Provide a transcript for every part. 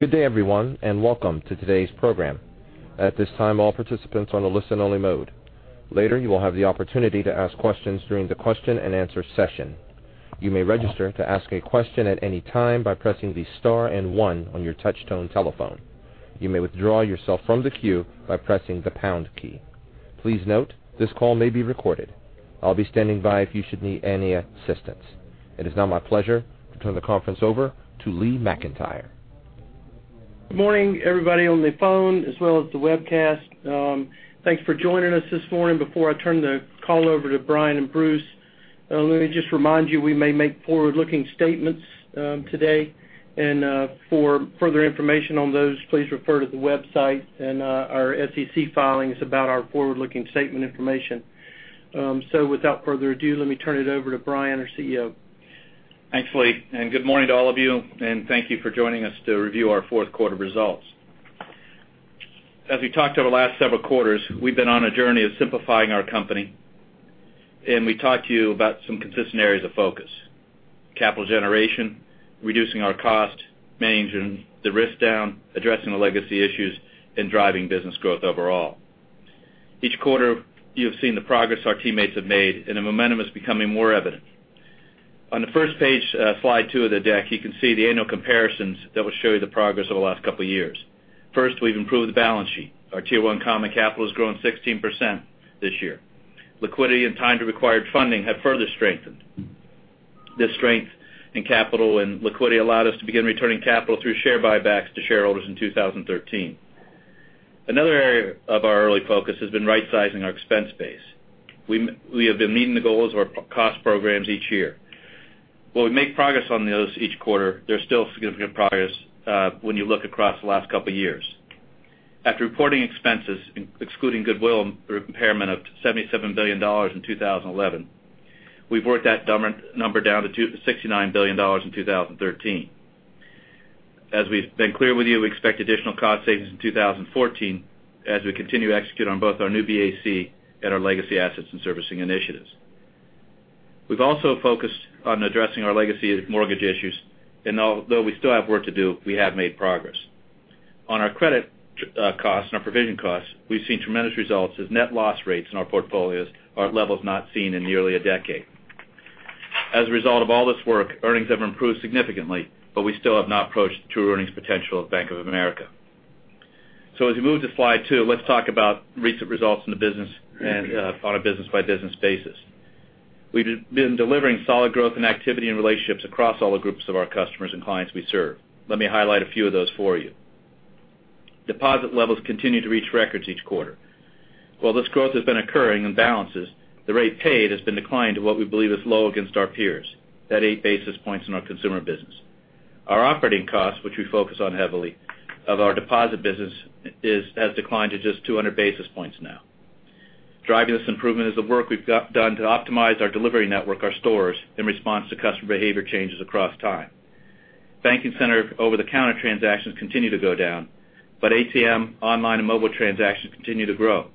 Good day everyone, welcome to today's program. At this time, all participants are on a listen only mode. Later, you will have the opportunity to ask questions during the question and answer session. You may register to ask a question at any time by pressing the star and one on your touchtone telephone. You may withdraw yourself from the queue by pressing the pound key. Please note, this call may be recorded. I'll be standing by if you should need any assistance. It is now my pleasure to turn the conference over to Lee McEntire. Good morning, everybody on the phone as well as the webcast. Thanks for joining us this morning. Before I turn the call over to Brian and Bruce, let me just remind you, we may make forward-looking statements today, and for further information on those, please refer to the website and our SEC filings about our forward-looking statement information. Without further ado, let me turn it over to Brian, our CEO. Thanks, Lee, good morning to all of you, and thank you for joining us to review our fourth quarter results. As we talked over the last several quarters, we've been on a journey of simplifying our company. We talked to you about some consistent areas of focus, capital generation, reducing our cost, managing the risk down, addressing the legacy issues, and driving business growth overall. Each quarter, you have seen the progress our teammates have made, and the momentum is becoming more evident. On the first page, slide two of the deck, you can see the annual comparisons that will show you the progress over the last couple of years. First, we've improved the balance sheet. Our Tier 1 common capital has grown 16% this year. Liquidity and time to required funding have further strengthened. This strength in capital and liquidity allowed us to begin returning capital through share buybacks to shareholders in 2013. Another area of our early focus has been rightsizing our expense base. We have been meeting the goals of our cost programs each year. While we make progress on those each quarter, there's still significant progress when you look across the last couple of years. After reporting expenses, excluding goodwill through impairment of $77 billion in 2011, we've worked that number down to $69 billion in 2013. As we've been clear with you, we expect additional cost savings in 2014 as we continue to execute on both our New BAC and our Legacy Assets and Servicing initiatives. Although we still have work to do, we have made progress. On our credit cost and our provision cost, we've seen tremendous results as net loss rates in our portfolios are at levels not seen in nearly a decade. As a result of all this work, earnings have improved significantly, but we still have not approached true earnings potential of Bank of America. As we move to slide two, let's talk about recent results in the business and on a business-by-business basis. We've been delivering solid growth and activity and relationships across all the groups of our customers and clients we serve. Let me highlight a few of those for you. Deposit levels continue to reach records each quarter. While this growth has been occurring in balances, the rate paid has been declined to what we believe is low against our peers. That eight basis points in our consumer business. Our operating cost, which we focus on heavily of our deposit business, has declined to just 200 basis points now. Driving this improvement is the work we've done to optimize our delivery network, our stores, in response to customer behavior changes across time. Banking center over-the-counter transactions continue to go down, but ATM, online, and mobile transactions continue to grow.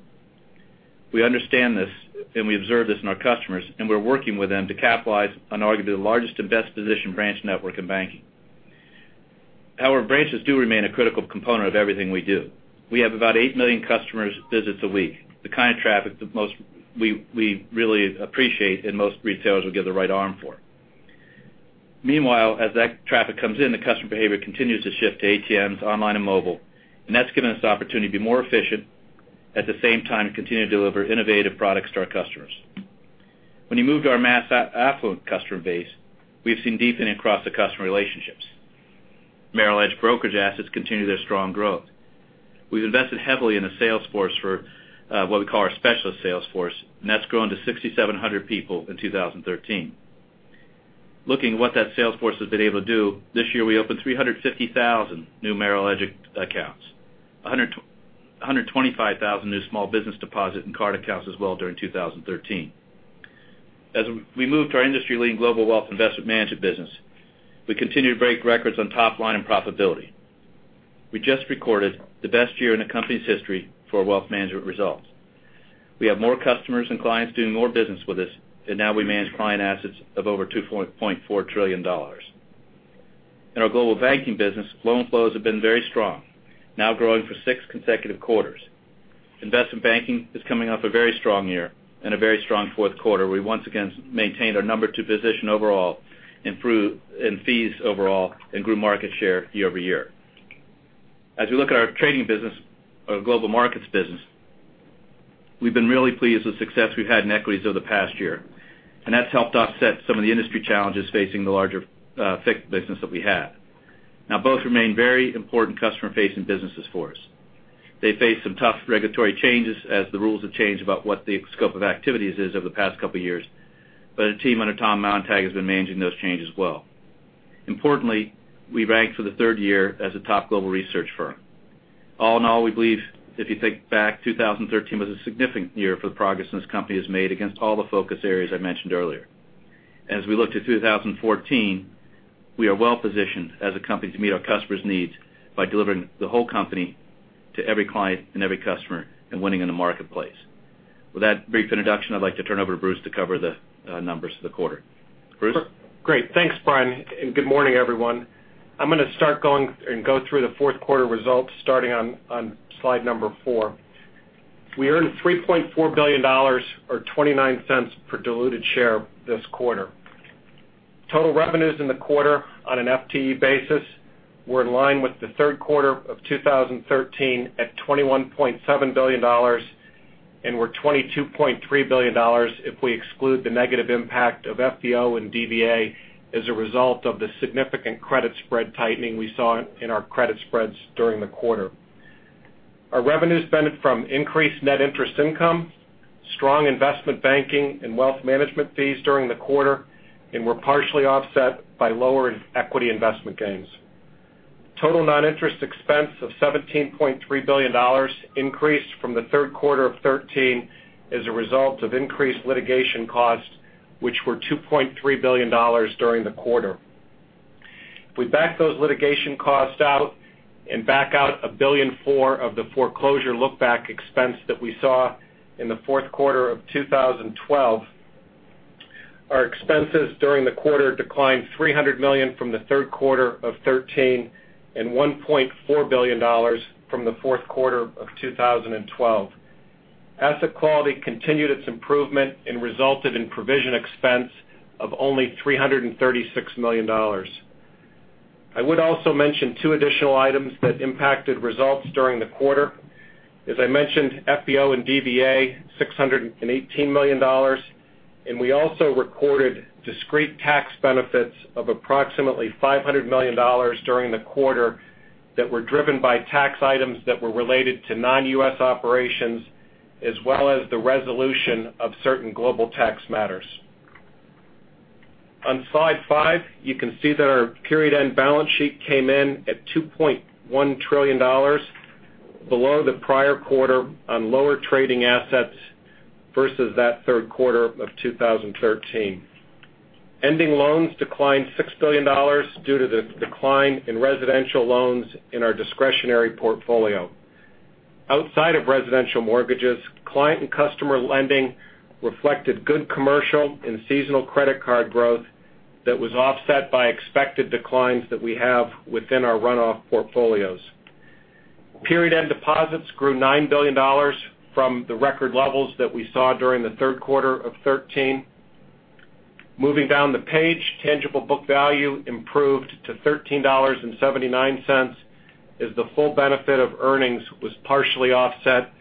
We understand this, and we observe this in our customers, and we're working with them to capitalize on arguably the largest and best-positioned branch network in banking. Our branches do remain a critical component of everything we do. We have about 8 million customers visits a week, the kind of traffic that we really appreciate and most retailers would give their right arm for. Meanwhile, as that traffic comes in, the customer behavior continues to shift to ATMs, online, and mobile, and that's given us the opportunity to be more efficient, at the same time continue to deliver innovative products to our customers. When you move to our mass affluent customer base, we've seen deepening across the customer relationships. Merrill Edge brokerage assets continue their strong growth. We've invested heavily in the sales force for what we call our specialist sales force, and that's grown to 6,700 people in 2013. Looking at what that sales force has been able to do, this year, we opened 350,000 new Merrill Edge accounts, 125,000 new small business deposit and card accounts as well during 2013. As we move to our industry-leading Global Wealth Investment Management business, we continue to break records on top line and profitability. We just recorded the best year in the company's history for wealth management results. We have more customers and clients doing more business with us, we manage client assets of over $2.4 trillion. In our global banking business, loan flows have been very strong, now growing for six consecutive quarters. Investment banking is coming off a very strong year and a very strong fourth quarter. We once again maintained our number two position overall, improved in fees overall, and grew market share year-over-year. As we look at our trading business, our global markets business, we've been really pleased with success we've had in equities over the past year, and that's helped offset some of the industry challenges facing the larger fixed business that we have. Both remain very important customer-facing businesses for us. They face some tough regulatory changes as the rules have changed about what the scope of activities is over the past couple of years. Our team under Tom Montag has been managing those changes well. Importantly, we ranked for the third year as a top global research firm. All in all, we believe if you think back, 2013 was a significant year for the progress this company has made against all the focus areas I mentioned earlier. As we look to 2014, we are well-positioned as a company to meet our customers' needs by delivering the whole company to every client and every customer and winning in the marketplace. With that brief introduction, I'd like to turn over to Bruce to cover the numbers for the quarter. Bruce? Great. Thanks, Brian. Good morning, everyone. I'm going to go through the fourth quarter results, starting on slide number four. We earned $3.4 billion, or $0.29 per diluted share this quarter. Total revenues in the quarter on an FTE basis were in line with the third quarter of 2013 at $21.7 billion, and were $22.3 billion if we exclude the negative impact of FVO and DVA as a result of the significant credit spread tightening we saw in our credit spreads during the quarter. Our revenues benefit from increased net interest income, strong investment banking and wealth management fees during the quarter, and were partially offset by lower equity investment gains. Total non-interest expense of $17.3 billion increased from the third quarter of 2013 as a result of increased litigation costs, which were $2.3 billion during the quarter. If we back those litigation costs out and back out $1.4 billion of the foreclosure look-back expense that we saw in the fourth quarter of 2012, our expenses during the quarter declined $300 million from the third quarter of 2013, and $1.4 billion from the fourth quarter of 2012. Asset quality continued its improvement and resulted in provision expense of only $336 million. I would also mention two additional items that impacted results during the quarter. As I mentioned, FVO and DVA, $618 million. We also recorded discrete tax benefits of approximately $500 million during the quarter that were driven by tax items that were related to non-U.S. operations, as well as the resolution of certain global tax matters. On slide five, you can see that our period-end balance sheet came in at $2.1 trillion, below the prior quarter on lower trading assets versus that third quarter of 2013. Ending loans declined $6 billion due to the decline in residential loans in our discretionary portfolio. Outside of residential mortgages, client and customer lending reflected good commercial and seasonal credit card growth that was offset by expected declines that we have within our runoff portfolios. Period-end deposits grew $9 billion from the record levels that we saw during the third quarter of 2013. Moving down the page, tangible book value improved to $13.79 as the full benefit of earnings was partially offset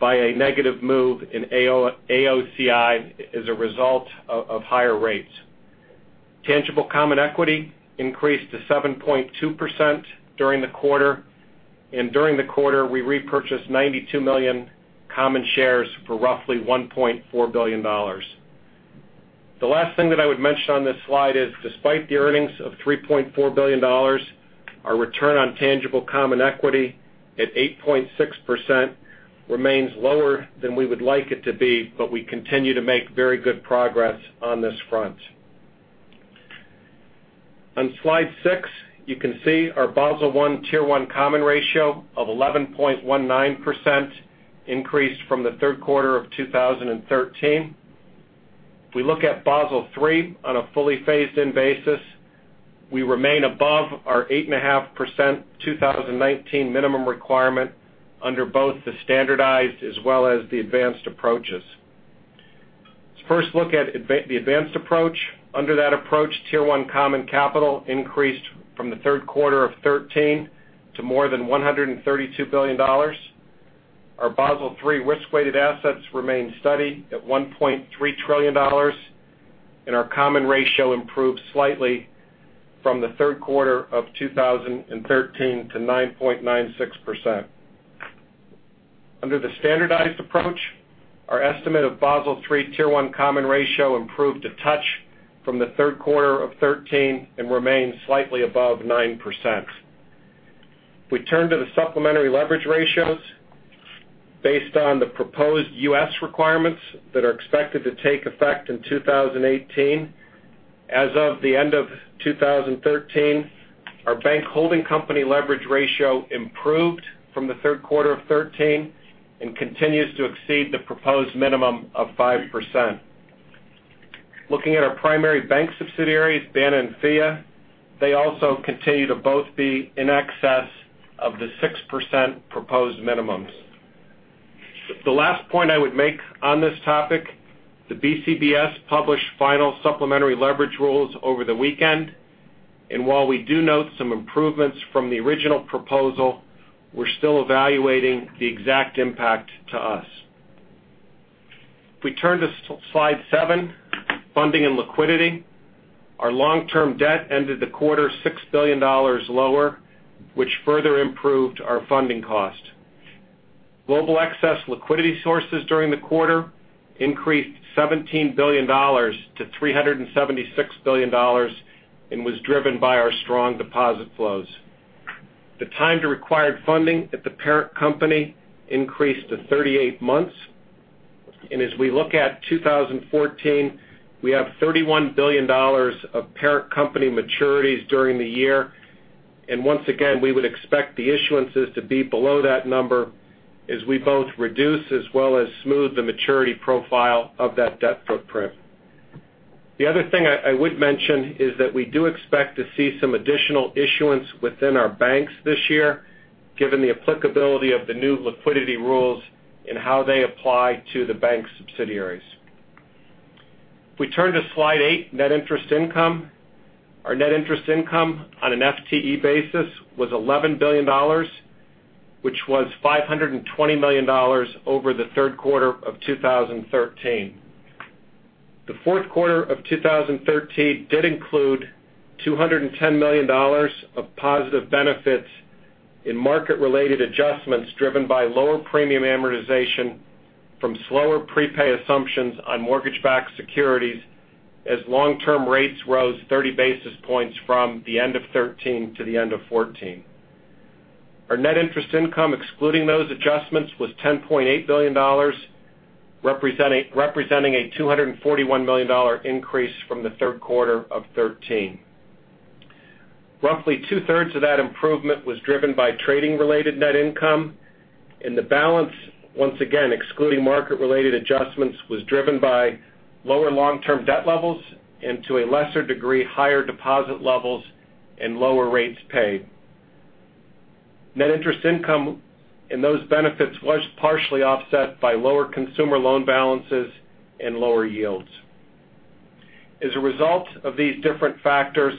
by a negative move in AOCI as a result of higher rates. Tangible common equity increased to 7.2% during the quarter. During the quarter, we repurchased 92 million common shares for roughly $1.4 billion. The last thing that I would mention on this slide is, despite the earnings of $3.4 billion, our return on tangible common equity at 8.6% remains lower than we would like it to be, but we continue to make very good progress on this front. On slide six, you can see our Basel I Tier 1 common ratio of 11.19% increase from the third quarter of 2013. If we look at Basel III on a fully phased-in basis, we remain above our 8.5% 2019 minimum requirement under both the standardized as well as the advanced approaches. Let's first look at the advanced approach. Under that approach, Tier 1 common capital increased from the third quarter of 2013 to more than $132 billion. Our Basel III risk-weighted assets remain steady at $1.3 trillion, and our common ratio improved slightly from the third quarter of 2013 to 9.96%. Under the standardized approach, our estimate of Basel III Tier 1 common ratio improved a touch from the third quarter of 2013 and remains slightly above 9%. If we turn to the supplementary leverage ratios based on the proposed U.S. requirements that are expected to take effect in 2018. As of the end of 2013, our bank holding company leverage ratio improved from the third quarter of 2013 and continues to exceed the proposed minimum of 5%. Looking at our primary bank subsidiaries, BANA and FIA, they also continue to both be in excess of the 6% proposed minimums. The last point I would make on this topic, the BCBS published final supplementary leverage rules over the weekend, and while we do note some improvements from the original proposal, we're still evaluating the exact impact to us. If we turn to slide seven, funding and liquidity. Our long-term debt ended the quarter $6 billion lower, which further improved our funding cost. Global excess liquidity sources during the quarter increased $17 billion to $376 billion and was driven by our strong deposit flows. The time to required funding at the parent company increased to 38 months. As we look at 2014, we have $31 billion of parent company maturities during the year. Once again, we would expect the issuances to be below that number as we both reduce as well as smooth the maturity profile of that debt footprint. The other thing I would mention is that we do expect to see some additional issuance within our banks this year, given the applicability of the new liquidity rules and how they apply to the bank subsidiaries. If we turn to slide eight, net interest income. Our net interest income on an FTE basis was $11 billion, which was $520 million over the third quarter of 2013. The fourth quarter of 2013 did include $210 million of positive benefits in market-related adjustments, driven by lower premium amortization from slower prepay assumptions on mortgage-backed securities, as long-term rates rose 30 basis points from the end of 2013 to the start of 2014. Our net interest income, excluding those adjustments, was $10.8 billion, representing a $241 million increase from the third quarter of 2013. Roughly two-thirds of that improvement was driven by trading-related net income. The balance, once again, excluding market-related adjustments, was driven by lower long-term debt levels and to a lesser degree, higher deposit levels and lower rates paid. Net interest income and those benefits was partially offset by lower consumer loan balances and lower yields. As a result of these different factors,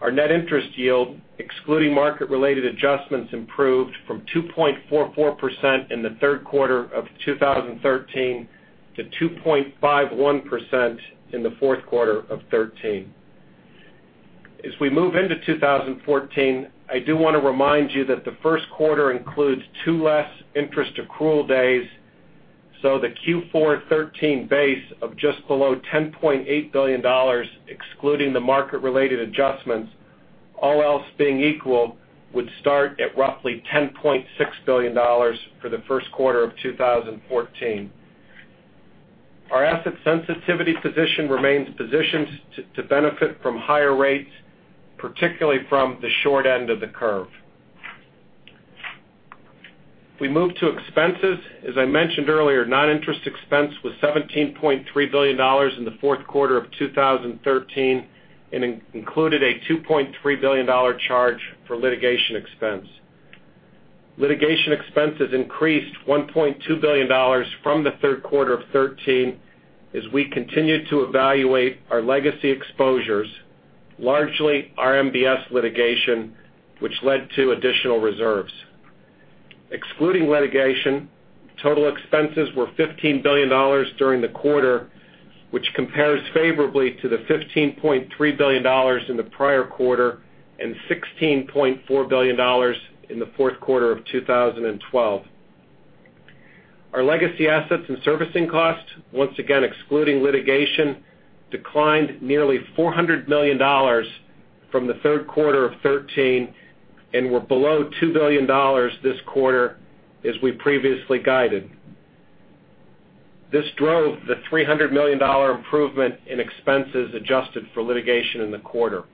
our net interest yield, excluding market-related adjustments, improved from 2.44% in the third quarter of 2013 to 2.51% in the fourth quarter of 2013. As we move into 2014, I do want to remind you that the first quarter includes two less interest accrual days. The Q4 2013 base of just below $10.8 billion, excluding the market-related adjustments, all else being equal, would start at roughly $10.6 billion for the first quarter of 2014. Our asset sensitivity position remains positioned to benefit from higher rates, particularly from the short end of the curve. If we move to expenses, as I mentioned earlier, non-interest expense was $17.3 billion in the fourth quarter of 2013 and included a $2.3 billion charge for litigation expense. Litigation expenses increased $1.2 billion from the third quarter of 2013, as we continued to evaluate our legacy exposures, largely RMBS litigation, which led to additional reserves. Excluding litigation, total expenses were $15 billion during the quarter, which compares favorably to the $15.3 billion in the prior quarter and $16.4 billion in the fourth quarter of 2012. Our Legacy Assets and Servicing costs, once again excluding litigation, declined nearly $400 million from the third quarter of 2013 and were below $2 billion this quarter as we previously guided. This drove the $300 million improvement in expenses adjusted for litigation in the quarter.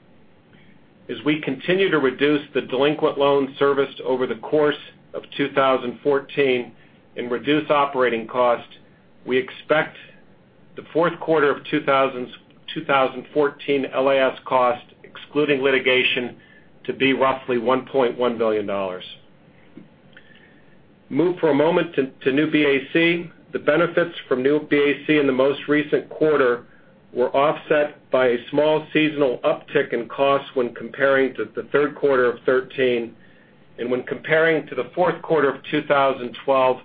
Move for a moment to New BAC. The benefits from New BAC in the most recent quarter were offset by a small seasonal uptick in costs when comparing to the third quarter of 2013. When comparing to the fourth quarter of 2012,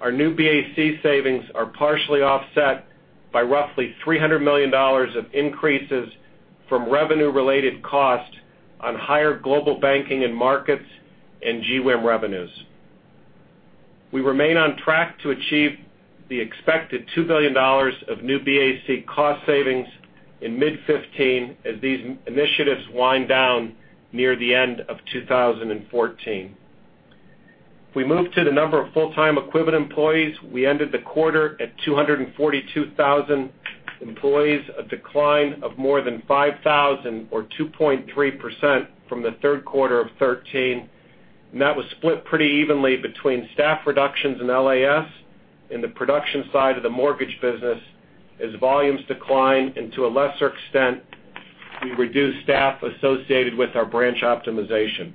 our New BAC savings are partially offset by roughly $300 million of increases from revenue-related cost on higher global banking and markets and GWIM revenues. We remain on track to achieve the expected $2 billion of New BAC cost savings in mid 2015 as these initiatives wind down near the end of 2014. If we move to the number of full-time equivalent employees, we ended the quarter at 242,000 employees, a decline of more than 5,000 or 2.3% from the third quarter of 2013. That was split pretty evenly between staff reductions in LAS in the production side of the mortgage business as volumes declined and to a lesser extent, we reduced staff associated with our branch optimization.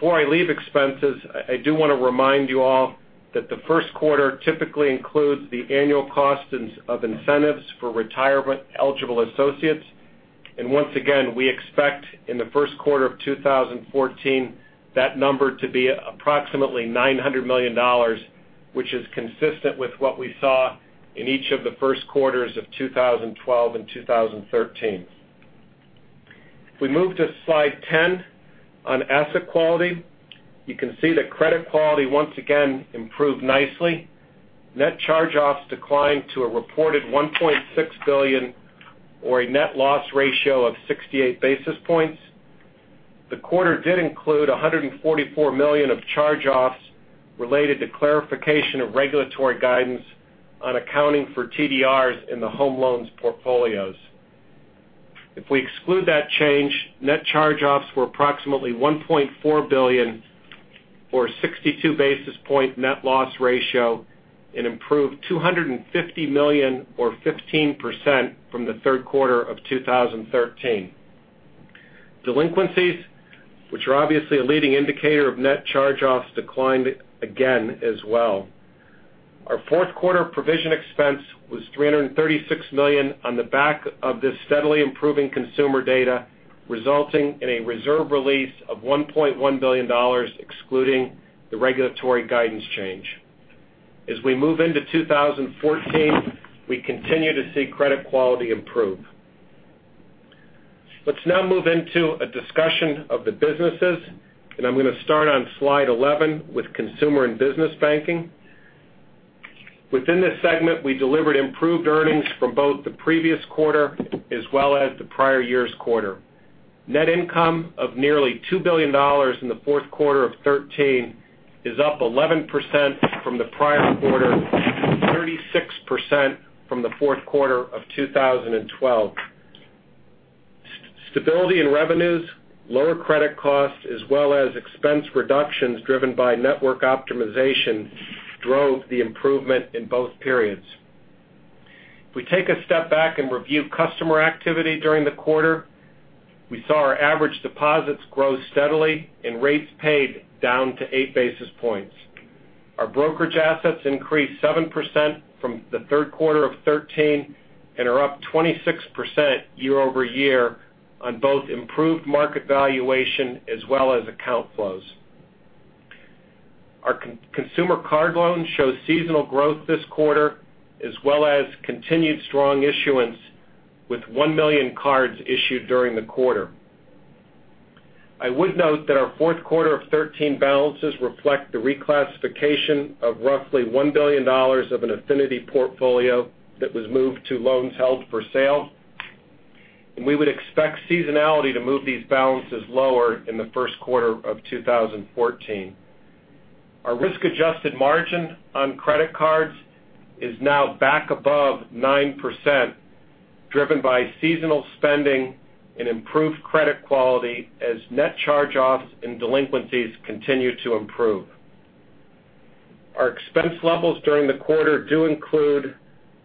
Before I leave expenses, I do want to remind you all that the first quarter typically includes the annual cost of incentives for retirement-eligible associates. Once again, we expect in the first quarter of 2014, that number to be approximately $900 million, which is consistent with what we saw in each of the first quarters of 2012 and 2013. If we move to Slide 10 on asset quality, you can see that credit quality once again improved nicely. Net charge-offs declined to a reported $1.6 billion, or a net loss ratio of 68 basis points. The quarter did include $144 million of charge-offs related to clarification of regulatory guidance on accounting for TDRs in the home loans portfolios. If we exclude that change, net charge-offs were approximately $1.4 billion, or a 62-basis-point net loss ratio, an improved $250 million or 15% from the third quarter of 2013. Delinquencies, which are obviously a leading indicator of net charge-offs, declined again as well. Our fourth quarter provision expense was $336 million on the back of this steadily improving consumer data, resulting in a reserve release of $1.1 billion, excluding the regulatory guidance change. As we move into 2014, we continue to see credit quality improve. Let's now move into a discussion of the businesses, and I'm going to start on slide 11 with consumer and business banking. Within this segment, we delivered improved earnings from both the previous quarter as well as the prior year's quarter. Net income of nearly $2 billion in the fourth quarter of 2013 is up 11% from the prior quarter, 36% from the fourth quarter of 2012. Stability in revenues, lower credit costs, as well as expense reductions driven by network optimization drove the improvement in both periods. If we take a step back and review customer activity during the quarter, we saw our average deposits grow steadily and rates paid down to eight basis points. Our brokerage assets increased 7% from the third quarter of 2013 and are up 26% year-over-year on both improved market valuation as well as account flows. Our consumer card loans show seasonal growth this quarter, as well as continued strong issuance, with 1 million cards issued during the quarter. I would note that our fourth quarter of 2013 balances reflect the reclassification of roughly $1 billion of an affinity portfolio that was moved to loans held for sale. We would expect seasonality to move these balances lower in the first quarter of 2014. Our risk-adjusted margin on credit cards is now back above 9%, driven by seasonal spending and improved credit quality as net charge-offs and delinquencies continue to improve. Our expense levels during the quarter do include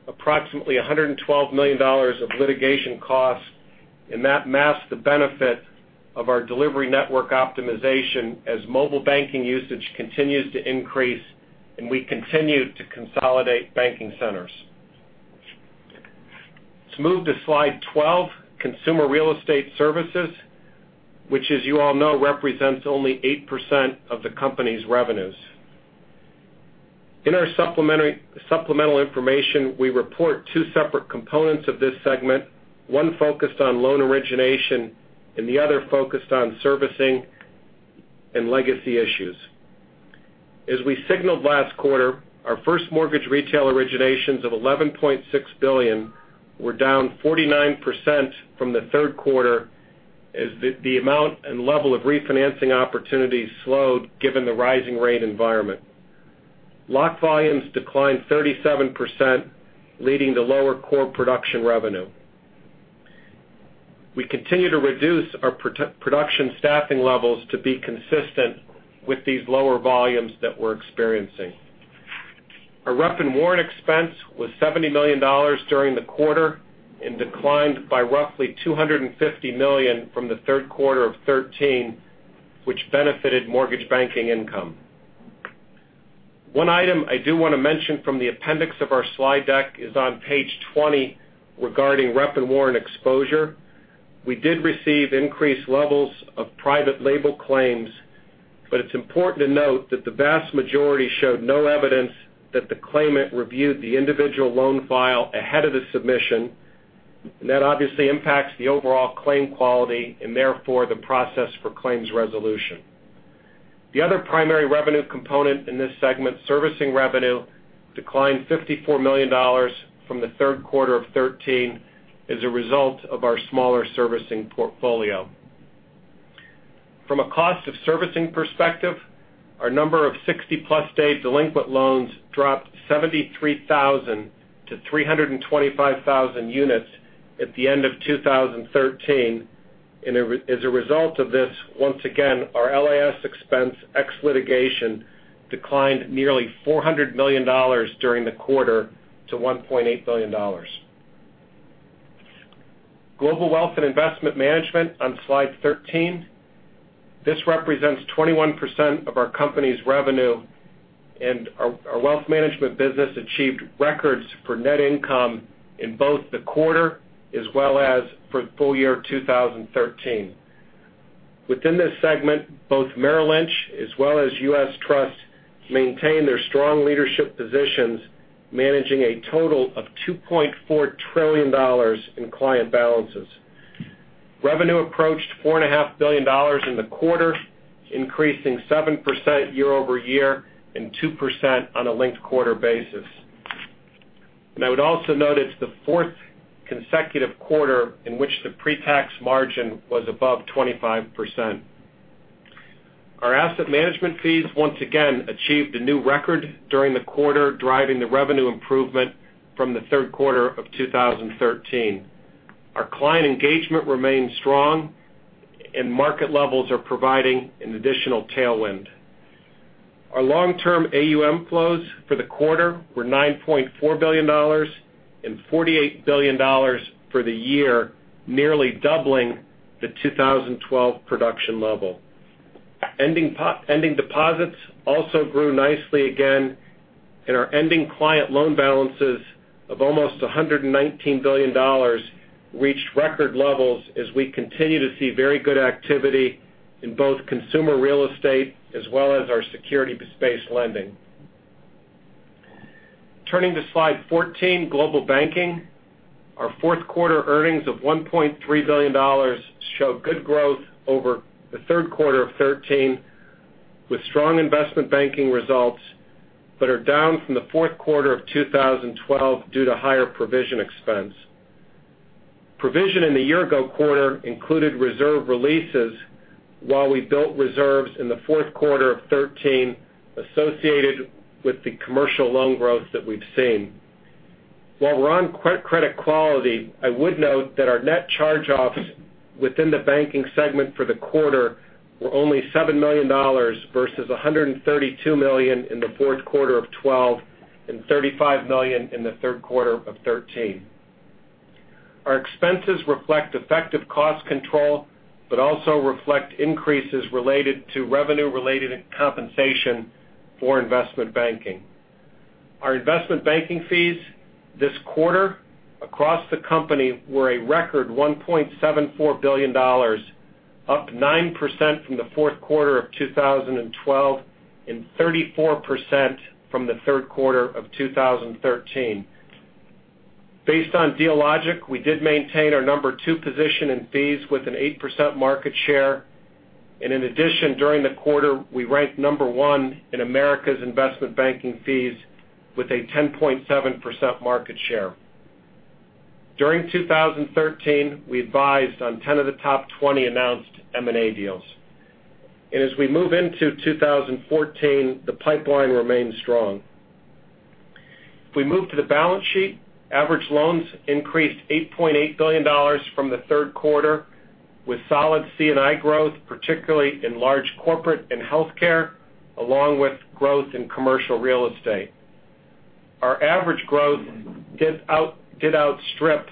approximately $112 million of litigation costs, that masks the benefit of our delivery network optimization as mobile banking usage continues to increase and we continue to consolidate banking centers. Let's move to slide 12, consumer real estate services, which, as you all know, represents only 8% of the company's revenues. In our supplemental information, we report two separate components of this segment, one focused on loan origination and the other focused on servicing and legacy issues. As we signaled last quarter, our first mortgage retail originations of $11.6 billion were down 49% from the third quarter, as the amount and level of refinancing opportunities slowed given the rising rate environment. Lock volumes declined 37%, leading to lower core production revenue. We continue to reduce our production staffing levels to be consistent with these lower volumes that we're experiencing. Our rep and warrant expense was $70 million during the quarter and declined by roughly $250 million from the third quarter of 2013, which benefited mortgage banking income. One item I do want to mention from the appendix of our slide deck is on page 20 regarding rep and warrant exposure. We did receive increased levels of private label claims, it's important to note that the vast majority showed no evidence that the claimant reviewed the individual loan file ahead of the submission, that obviously impacts the overall claim quality and therefore the process for claims resolution. The other primary revenue component in this segment, servicing revenue, declined $54 million from the third quarter of 2013 as a result of our smaller servicing portfolio. From a cost of servicing perspective, our number of 60-plus day delinquent loans dropped 73,000 to 325,000 units at the end of 2013. As a result of this, once again, our LIS expense ex litigation declined nearly $400 million during the quarter to $1.8 billion. Global Wealth and Investment Management on slide 13. This represents 21% of our company's revenue, our wealth management business achieved records for net income in both the quarter as well as for full year 2013. Within this segment, both Merrill Lynch as well as U.S. Trust maintain their strong leadership positions, managing a total of $2.4 trillion in client balances. Revenue approached $4.5 billion in the quarter, increasing 7% year-over-year and 2% on a linked-quarter basis. I would also note it's the fourth consecutive quarter in which the pre-tax margin was above 25%. Our asset management fees once again achieved a new record during the quarter, driving the revenue improvement from the third quarter of 2013. Our client engagement remains strong, market levels are providing an additional tailwind. Our long-term AUM flows for the quarter were $9.4 billion and $48 billion for the year, nearly doubling the 2012 production level. Ending deposits also grew nicely again, our ending client loan balances of almost $119 billion reached record levels as we continue to see very good activity in both consumer real estate as well as our securities-based lending. Turning to slide 14, Global Banking. Our fourth quarter earnings of $1.3 billion show good growth over the third quarter of 2013, with strong investment banking results that are down from the fourth quarter of 2012 due to higher provision expense. Provision in the year-ago quarter included reserve releases while we built reserves in the fourth quarter of 2013 associated with the commercial loan growth that we've seen. While we're on credit quality, I would note that our net charge-offs within the banking segment for the quarter were only $7 million versus $132 million in the fourth quarter of 2012 and $35 million in the third quarter of 2013. Our expenses reflect effective cost control, also reflect increases related to revenue-related compensation for investment banking. Our investment banking fees this quarter across the company were a record $1.74 billion, up 9% from the fourth quarter of 2012 and 34% from the third quarter of 2013. Based on Dealogic, we did maintain our number 2 position in fees with an 8% market share. In addition, during the quarter, we ranked number 1 in America's investment banking fees with a 10.7% market share. During 2013, we advised on 10 of the top 20 announced M&A deals. As we move into 2014, the pipeline remains strong. If we move to the balance sheet, average loans increased $8.8 billion from the third quarter, with solid C&I growth, particularly in large corporate and healthcare, along with growth in commercial real estate. Our average growth did outstrip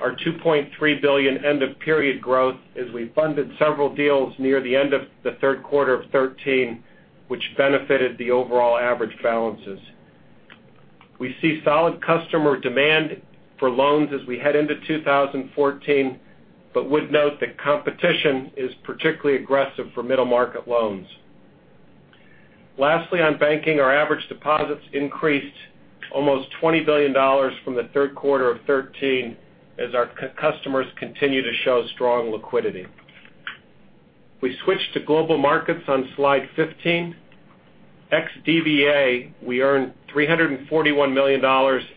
our $2.3 billion end-of-period growth as we funded several deals near the end of the third quarter of 2013, which benefited the overall average balances. We see solid customer demand for loans as we head into 2014. We would note that competition is particularly aggressive for middle-market loans. Lastly, on banking, our average deposits increased almost $20 billion from the third quarter of 2013 as our customers continue to show strong liquidity. If we switch to Global Markets on slide 15. Ex DVA, we earned $341 million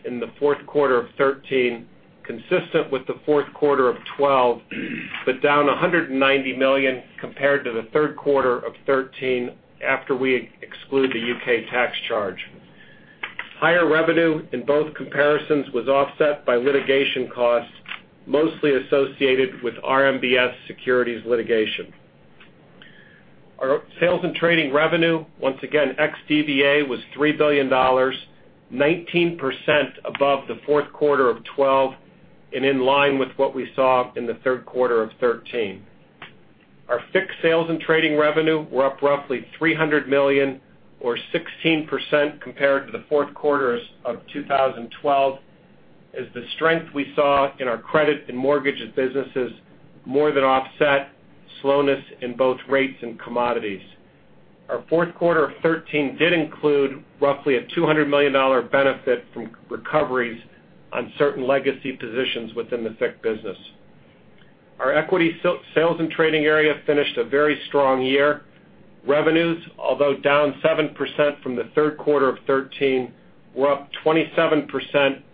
in the fourth quarter of 2013, consistent with the fourth quarter of 2012, but down $190 million compared to the third quarter of 2013 after we exclude the U.K. tax charge. Higher revenue in both comparisons was offset by litigation costs, mostly associated with RMBS securities litigation. Our sales and trading revenue, once again, ex DVA, was $3 billion, 19% above the fourth quarter of 2012 and in line with what we saw in the third quarter of 2013. Our FICC sales and trading revenue were up roughly $300 million or 16% compared to the fourth quarter of 2012 as the strength we saw in our credit and mortgages businesses more than offset slowness in both rates and commodities. Our fourth quarter of 2013 did include roughly a $200 million benefit from recoveries on certain legacy positions within the FICC business. Our equity sales and trading area finished a very strong year. Revenues, although down 7% from the third quarter of 2013, were up 27%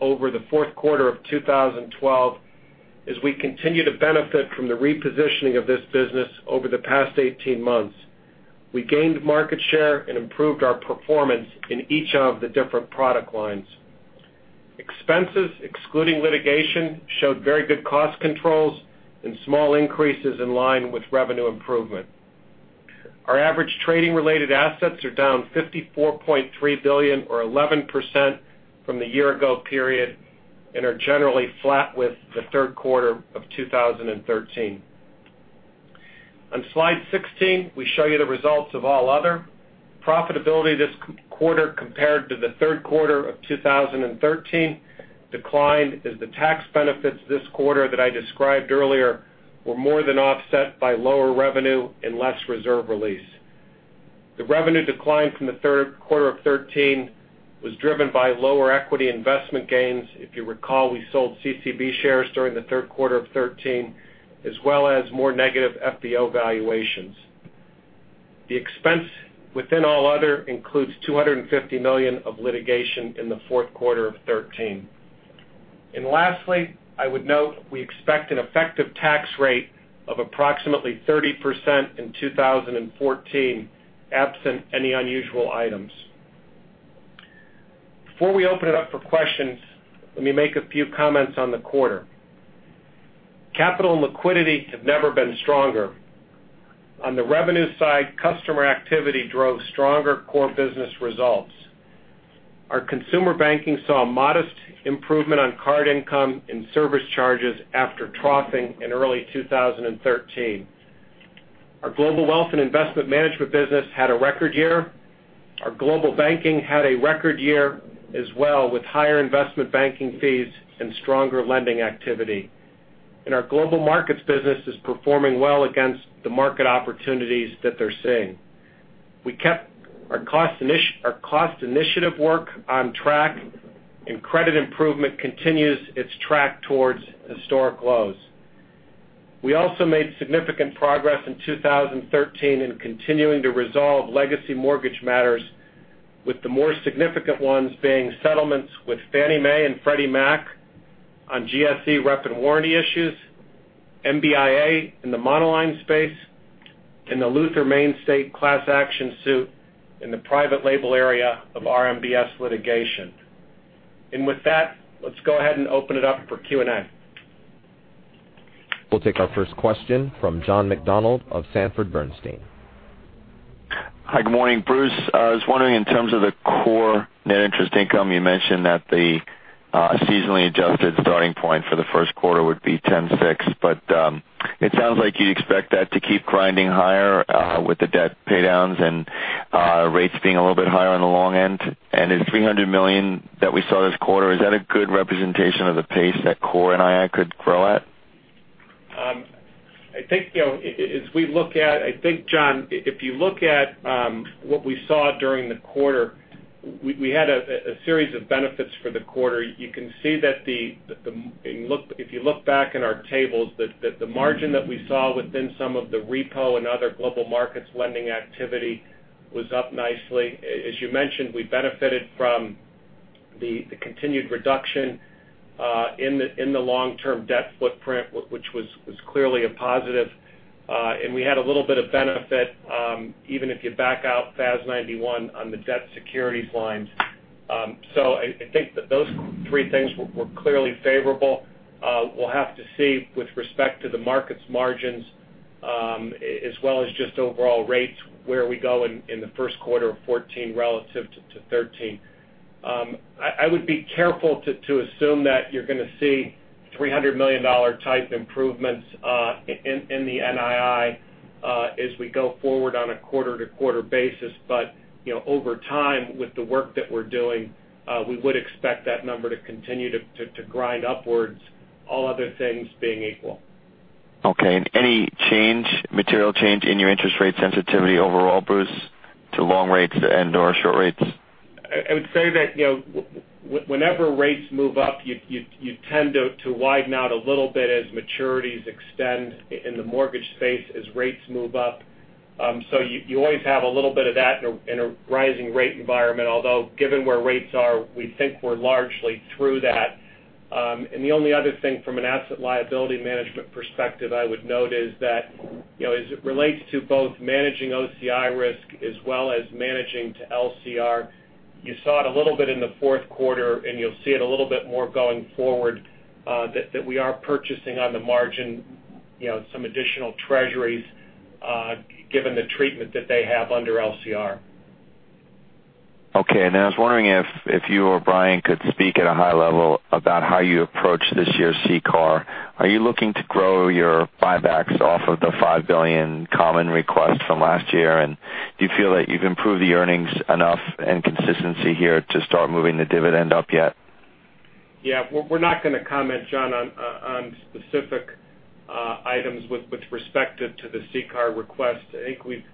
over the fourth quarter of 2012 as we continue to benefit from the repositioning of this business over the past 18 months. We gained market share and improved our performance in each of the different product lines. Expenses, excluding litigation, showed very good cost controls and small increases in line with revenue improvement. Our average trading-related assets are down $54.3 billion or 11% from the year-ago period and are generally flat with the third quarter of 2013. On slide 16, we show you the results of All Other. Profitability this quarter compared to the third quarter of 2013 declined as the tax benefits this quarter that I described earlier were more than offset by lower revenue and less reserve release. The revenue decline from the third quarter of 2013 was driven by lower equity investment gains. If you recall, we sold CCB shares during the third quarter of 2013, as well as more negative FVO valuations. The expense within All Other includes $250 million of litigation in the fourth quarter of 2013. Lastly, I would note, we expect an effective tax rate of approximately 30% in 2014, absent any unusual items. Before we open it up for questions, let me make a few comments on the quarter. Capital and liquidity have never been stronger. On the revenue side, customer activity drove stronger core business results. Our consumer banking saw a modest improvement on card income and service charges after troughing in early 2013. Our Global Wealth and Investment Management business had a record year. Our Global Banking had a record year as well, with higher investment banking fees and stronger lending activity. Our Global Markets business is performing well against the market opportunities that they're seeing. We kept our cost initiative work on track, and credit improvement continues its track towards historic lows. We also made significant progress in 2013 in continuing to resolve legacy mortgage matters, with the more significant ones being settlements with Fannie Mae and Freddie Mac on GSE rep and warranty issues, MBIA in the monoline space, and the Luther v. Countrywide class action suit in the private label area of RMBS litigation. With that, let's go ahead and open it up for Q&A. We'll take our first question from John McDonald of Sanford C. Bernstein. Hi, good morning, Bruce. I was wondering, in terms of the core net interest income, you mentioned that the seasonally adjusted starting point for the first quarter would be $10.6, but it sounds like you'd expect that to keep grinding higher with the debt paydowns and rates being a little bit higher on the long end. The $300 million that we saw this quarter, is that a good representation of the pace that core NII could grow at? I think, John, if you look at what we saw during the quarter, we had a series of benefits for the quarter. You can see that if you look back in our tables, that the margin that we saw within some of the repo and other global markets lending activity was up nicely. As you mentioned, we benefited from the continued reduction in the long-term debt footprint, which was clearly a positive. We had a little bit of benefit even if you back out FAS 91 on the debt securities lines. I think that those three things were clearly favorable. We'll have to see with respect to the market's margins as well as just overall rates, where we go in the first quarter of 2014 relative to 2013. I would be careful to assume that you're going to see $300 million type improvements in the NII as we go forward on a quarter-to-quarter basis. Over time, with the work that we're doing, we would expect that number to continue to grind upwards, all other things being equal. Okay. Any material change in your interest rate sensitivity overall, Bruce, to long rates and/or short rates? I would say that whenever rates move up, you tend to widen out a little bit as maturities extend in the mortgage space as rates move up. You always have a little bit of that in a rising rate environment, although given where rates are, we think we're largely through that. The only other thing from an asset liability management perspective I would note is that, as it relates to both managing OCI risk as well as managing to LCR, you saw it a little bit in the fourth quarter and you'll see it a little bit more going forward, that we are purchasing on the margin some additional treasuries given the treatment that they have under LCR. Okay. I was wondering if you or Brian could speak at a high level about how you approach this year's CCAR. Are you looking to grow your buybacks off of the $5 billion common request from last year? Do you feel that you've improved the earnings enough and consistency here to start moving the dividend up yet? Yeah. We're not going to comment, John, on specific items with respect to the CCAR request. I think we've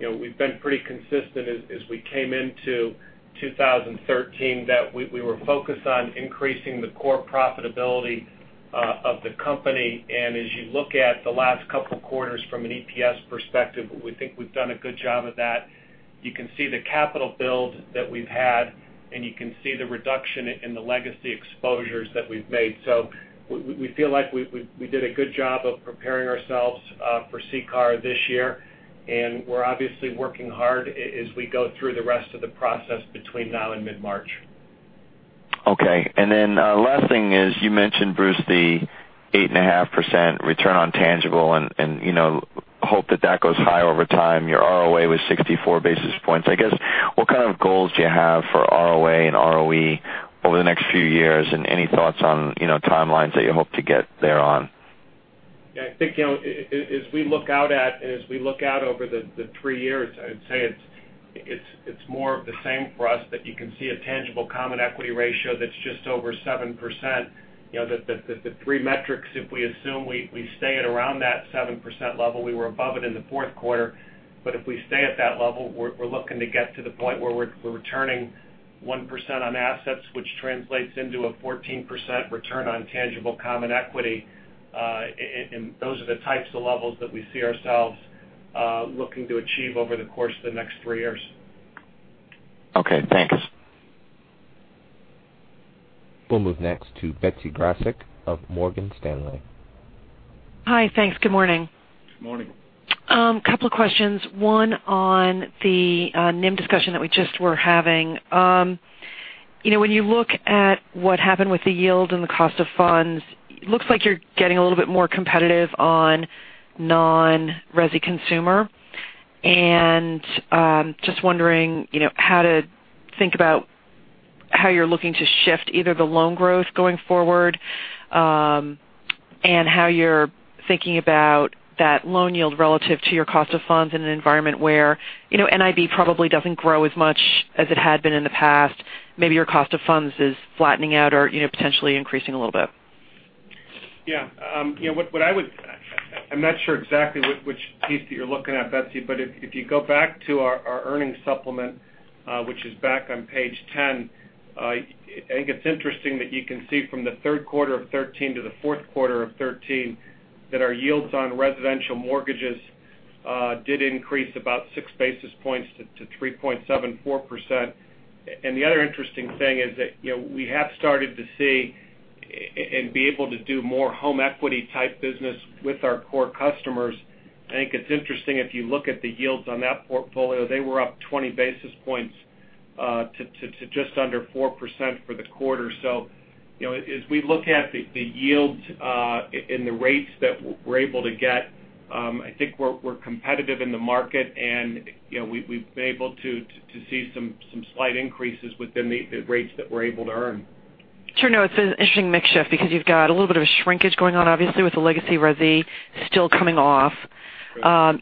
been pretty consistent as we came into 2013 that we were focused on increasing the core profitability of the company. As you look at the last couple of quarters from an EPS perspective, we think we've done a good job of that. You can see the capital build that we've had, you can see the reduction in the legacy exposures that we've made. We feel like we did a good job of preparing ourselves for CCAR this year, we're obviously working hard as we go through the rest of the process between now and mid-March. Okay. Last thing is, you mentioned, Bruce, the 8.5% return on tangible and hope that that goes higher over time. Your ROA was 64 basis points. I guess, what kind of goals do you have for ROA and ROE over the next few years, any thoughts on timelines that you hope to get there on? Yeah. I think as we look out over the three years, I would say it's more of the same for us, that you can see a tangible common equity ratio that's just over 7%. The three metrics, if we assume we stay at around that 7% level, we were above it in the fourth quarter. If we stay at that level, we're looking to get to the point where we're returning 1% on assets, which translates into a 14% return on tangible common equity. Those are the types of levels that we see ourselves looking to achieve over the course of the next three years. Okay, thanks. We'll move next to Betsy Graseck of Morgan Stanley. Hi. Thanks. Good morning. Good morning. A couple of questions. One on the NIM discussion that we just were having. When you look at what happened with the yield and the cost of funds, looks like you're getting a little bit more competitive on non-resi consumer. Just wondering how to think about how you're looking to shift either the loan growth going forward, and how you're thinking about that loan yield relative to your cost of funds in an environment where NIB probably doesn't grow as much as it had been in the past. Maybe your cost of funds is flattening out or potentially increasing a little bit. Yeah. I'm not sure exactly which piece that you're looking at, Betsy, but if you go back to our earnings supplement, which is back on page 10, I think it's interesting that you can see from the third quarter of 2013 to the fourth quarter of 2013 that our yields on residential mortgages did increase about six basis points to 3.74%. The other interesting thing is that we have started to see and be able to do more home equity type business with our core customers. I think it's interesting, if you look at the yields on that portfolio, they were up 20 basis points to just under 4% for the quarter. As we look at the yields and the rates that we're able to get, I think we're competitive in the market, and we've been able to see some slight increases within the rates that we're able to earn. Sure. No, it's an interesting mix shift because you've got a little bit of a shrinkage going on, obviously, with the legacy resi still coming off,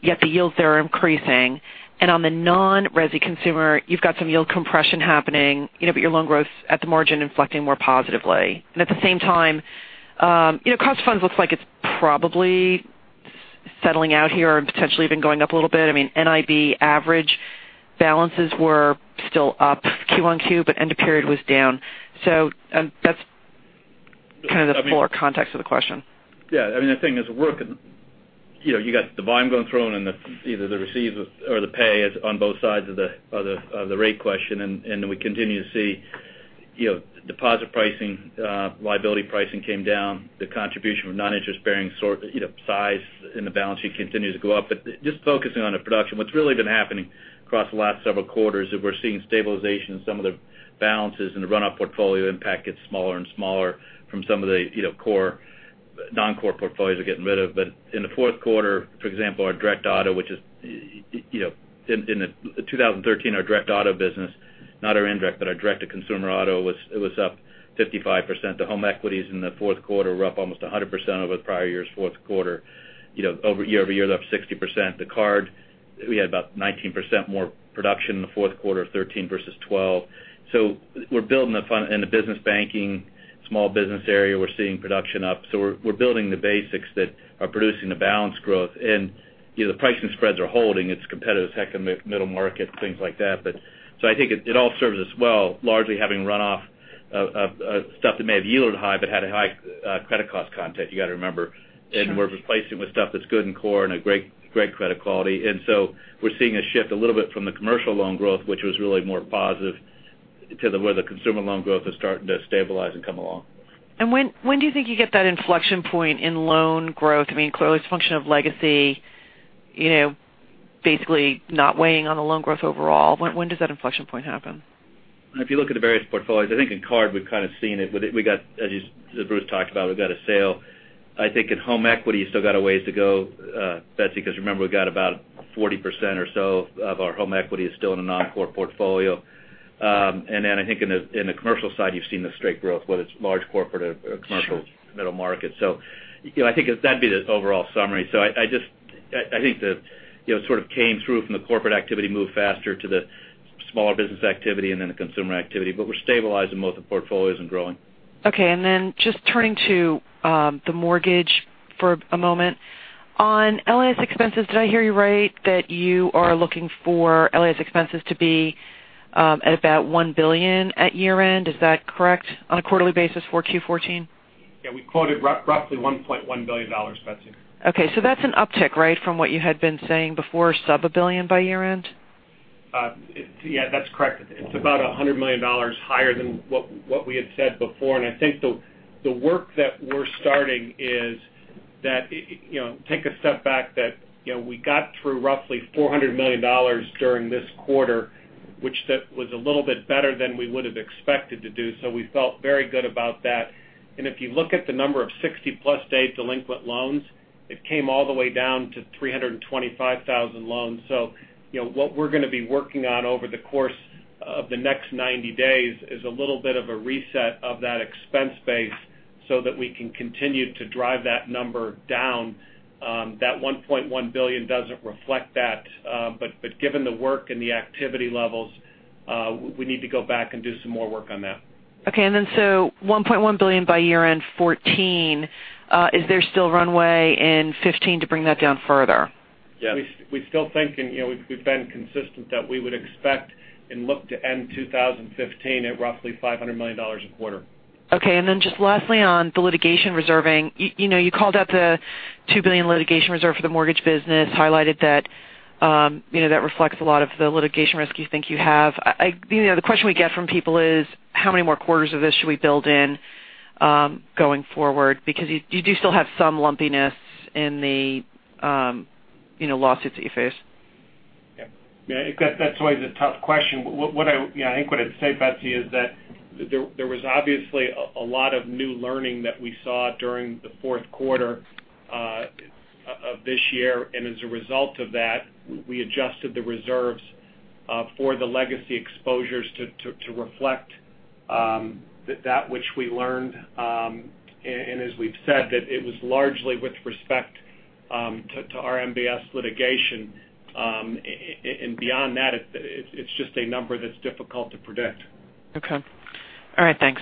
yet the yields there are increasing. On the non-resi consumer, you've got some yield compression happening, but your loan growth at the margin inflecting more positively. At the same time, cost of funds looks like it's probably settling out here and potentially even going up a little bit. I mean, NIB average balances were still up quarter-over-quarter, but end of period was down. That's kind of the fuller context of the question. Yeah. I mean, I think as it were, you got the volume going through and either the receives or the pay on both sides of the rate question. Then we continue to see deposit pricing, liability pricing came down. The contribution from non-interest bearing size in the balance sheet continues to go up. Just focusing on the production, what's really been happening across the last several quarters is we're seeing stabilization in some of the balances in the runoff portfolio impact gets smaller and smaller from some of the non-core portfolios we're getting rid of. In the fourth quarter, for example, our direct auto, in 2013, our direct auto business, not our indirect, but our direct-to-consumer auto was up 55%. The home equities in the fourth quarter were up almost 100% over the prior year's fourth quarter. Year-over-year, they're up 60%. The card, we had about 19% more production in the fourth quarter of 2013 versus 2012. We're building the fund. In the business banking, small business area, we're seeing production up. We're building the basics that are producing the balance growth. The pricing spreads are holding. It's competitive, second middle market, things like that. I think it all serves us well, largely having run off of stuff that may have yielded high but had a high credit cost content, you got to remember. We're replacing with stuff that's good and core and a great credit quality. We're seeing a shift a little bit from the commercial loan growth, which was really more positive to where the consumer loan growth is starting to stabilize and come along. When do you think you get that inflection point in loan growth? I mean, clearly it's a function of legacy, basically not weighing on the loan growth overall. When does that inflection point happen? If you look at the various portfolios, I think in card, we've kind of seen it. As Bruce talked about, we've got a sale. I think in home equity you still got a ways to go, Betsy, because remember, we've got about 40% or so of our home equity is still in a non-core portfolio. I think in the commercial side, you've seen the straight growth, whether it's large corporate or commercial middle market. I think that'd be the overall summary. I think that sort of came through from the corporate activity moved faster to the smaller business activity and then the consumer activity. We're stabilizing both the portfolios and growing. Okay. Just turning to the mortgage for a moment. On LAS expenses, did I hear you right that you are looking for LAS expenses to be at about $1 billion at year-end? Is that correct on a quarterly basis for Q4 2014? Yeah. We quoted roughly $1.1 billion, Betsy. Okay. That's an uptick, right, from what you had been saying before, sub $1 billion by year-end? Yeah, that's correct. It's about $100 million higher than what we had said before. I think the work that we're starting is that, take a step back, that we got through roughly $400 million during this quarter, which was a little bit better than we would have expected to do. We felt very good about that. If you look at the number of 60-plus day delinquent loans, it came all the way down to 325,000 loans. What we're going to be working on over the course of the next 90 days is a little bit of a reset of that expense base so that we can continue to drive that number down. That $1.1 billion doesn't reflect that. Given the work and the activity levels, we need to go back and do some more work on that. Okay. Then $1.1 billion by year-end 2014. Is there still runway in 2015 to bring that down further? Yes. We still think, we've been consistent that we would expect and look to end 2015 at roughly $500 million a quarter. Okay. Then just lastly, on the litigation reserving. You called out the $2 billion litigation reserve for the mortgage business, highlighted that reflects a lot of the litigation risk you think you have. The question we get from people is, how many more quarters of this should we build in going forward? Because you do still have some lumpiness in the lawsuits that you face. That's always a tough question. I think what I'd say, Betsy, is that there was obviously a lot of new learning that we saw during the fourth quarter of this year. As a result of that, we adjusted the reserves for the legacy exposures to reflect that which we learned. As we've said, that it was largely with respect to our MBS litigation. Beyond that, it's just a number that's difficult to predict. Okay. All right, thanks.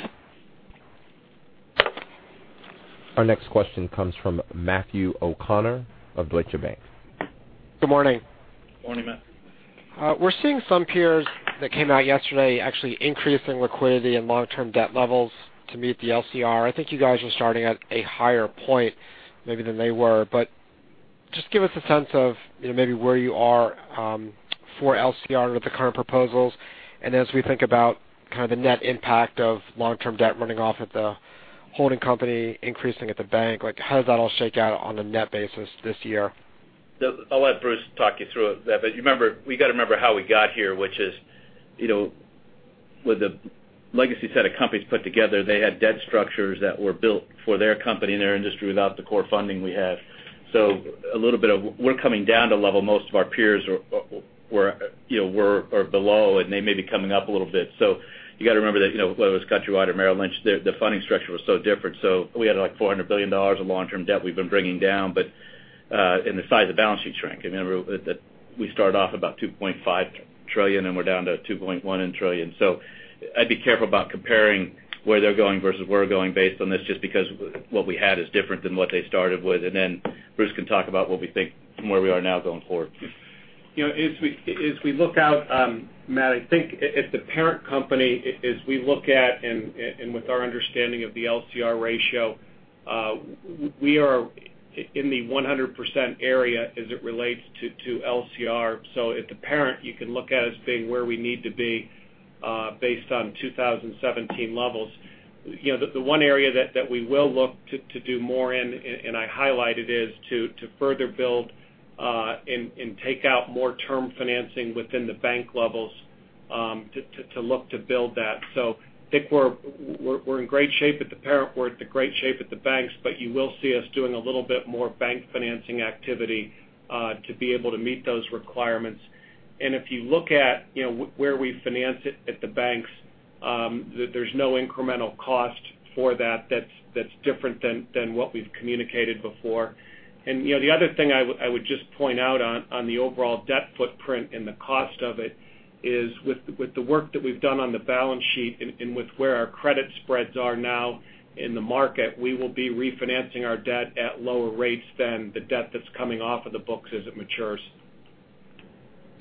Our next question comes from Matthew O'Connor of Deutsche Bank. Good morning. Morning, Matt. We're seeing some peers that came out yesterday actually increasing liquidity and long-term debt levels to meet the LCR. I think you guys are starting at a higher point maybe than they were. Just give us a sense of maybe where you are for LCR with the current proposals. As we think about kind of the net impact of long-term debt running off at the holding company, increasing at the bank, how does that all shake out on a net basis this year? I'll let Bruce talk you through that. We got to remember how we got here, which is with the legacy set of companies put together, they had debt structures that were built for their company and their industry without the core funding we have. We're coming down to a level most of our peers are below, and they may be coming up a little bit. You got to remember that, whether it was Countrywide or Merrill Lynch, the funding structure was so different. We had like $400 billion of long-term debt we've been bringing down. The size of balance sheets rank. We started off about $2.5 trillion, and we're down to $2.1 trillion. I'd be careful about comparing where they're going versus where we're going based on this, just because what we had is different than what they started with. Bruce can talk about what we think from where we are now going forward. As we look out, Matt, I think at the parent company, as we look at and with our understanding of the LCR ratio, we are in the 100% area as it relates to LCR. At the parent, you can look at us being where we need to be based on 2017 levels. The one area that we will look to do more in, and I highlight it, is to further build and take out more term financing within the bank levels to look to build that. I think we're in great shape at the parent, we're at the great shape at the banks, but you will see us doing a little bit more bank financing activity to be able to meet those requirements. If you look at where we finance it at the banks, there's no incremental cost for that's different than what we've communicated before. The other thing I would just point out on the overall debt footprint and the cost of it is with the work that we've done on the balance sheet and with where our credit spreads are now in the market, we will be refinancing our debt at lower rates than the debt that's coming off of the books as it matures.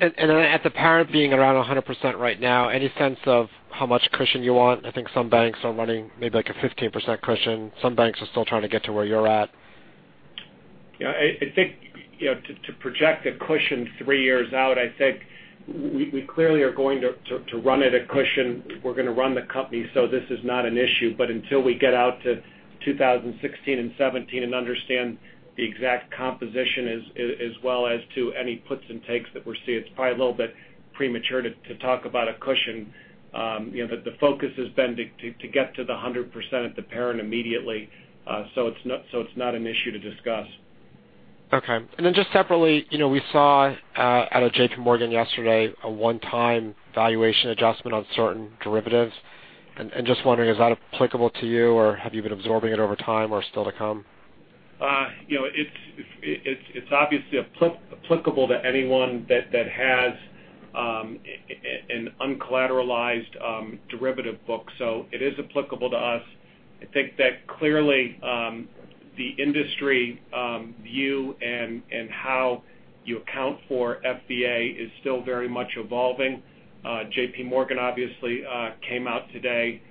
At the parent being around 100% right now, any sense of how much cushion you want? I think some banks are running maybe like a 15% cushion. Some banks are still trying to get to where you're at. I think to project a cushion three years out, I think we clearly are going to run at a cushion. We're going to run the company so this is not an issue. Until we get out to 2016 and 2017 and understand the exact composition as well as to any puts and takes that we're seeing, it's probably a little bit premature to talk about a cushion. The focus has been to get to the 100% at the parent immediately. It's not an issue to discuss. Okay. Just separately, we saw out of JP Morgan yesterday a one-time valuation adjustment on certain derivatives. Just wondering, is that applicable to you, or have you been absorbing it over time or still to come? It's obviously applicable to anyone that has an uncollateralized derivative book. It is applicable to us. I think that clearly, the industry view and how you account for FVA is still very much evolving. JP Morgan obviously came out today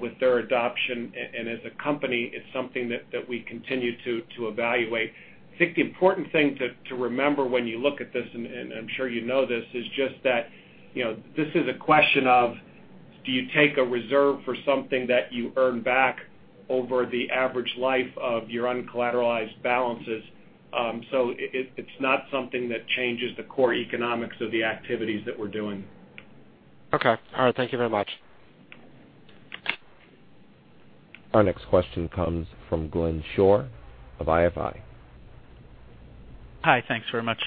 with their adoption. As a company, it's something that we continue to evaluate. I think the important thing to remember when you look at this, and I'm sure you know this, is just that this is a question of, do you take a reserve for something that you earn back over the average life of your uncollateralized balances? It's not something that changes the core economics of the activities that we're doing. Okay. All right. Thank you very much. Our next question comes from Glenn Schorr of ISI Group. Hi, thanks very much.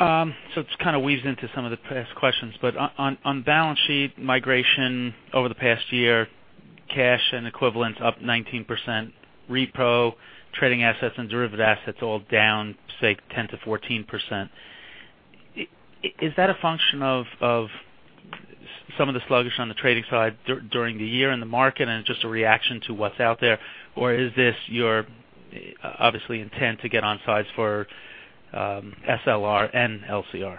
It kind of weaves into some of the past questions, but on balance sheet migration over the past year, cash and equivalents up 19%, repo, trading assets, and derivative assets all down, say, 10%-14%. Is that a function of some of the sluggish on the trading side during the year in the market, and it's just a reaction to what's out there? Or is this your obviously intent to get on sides for SLR and LCR?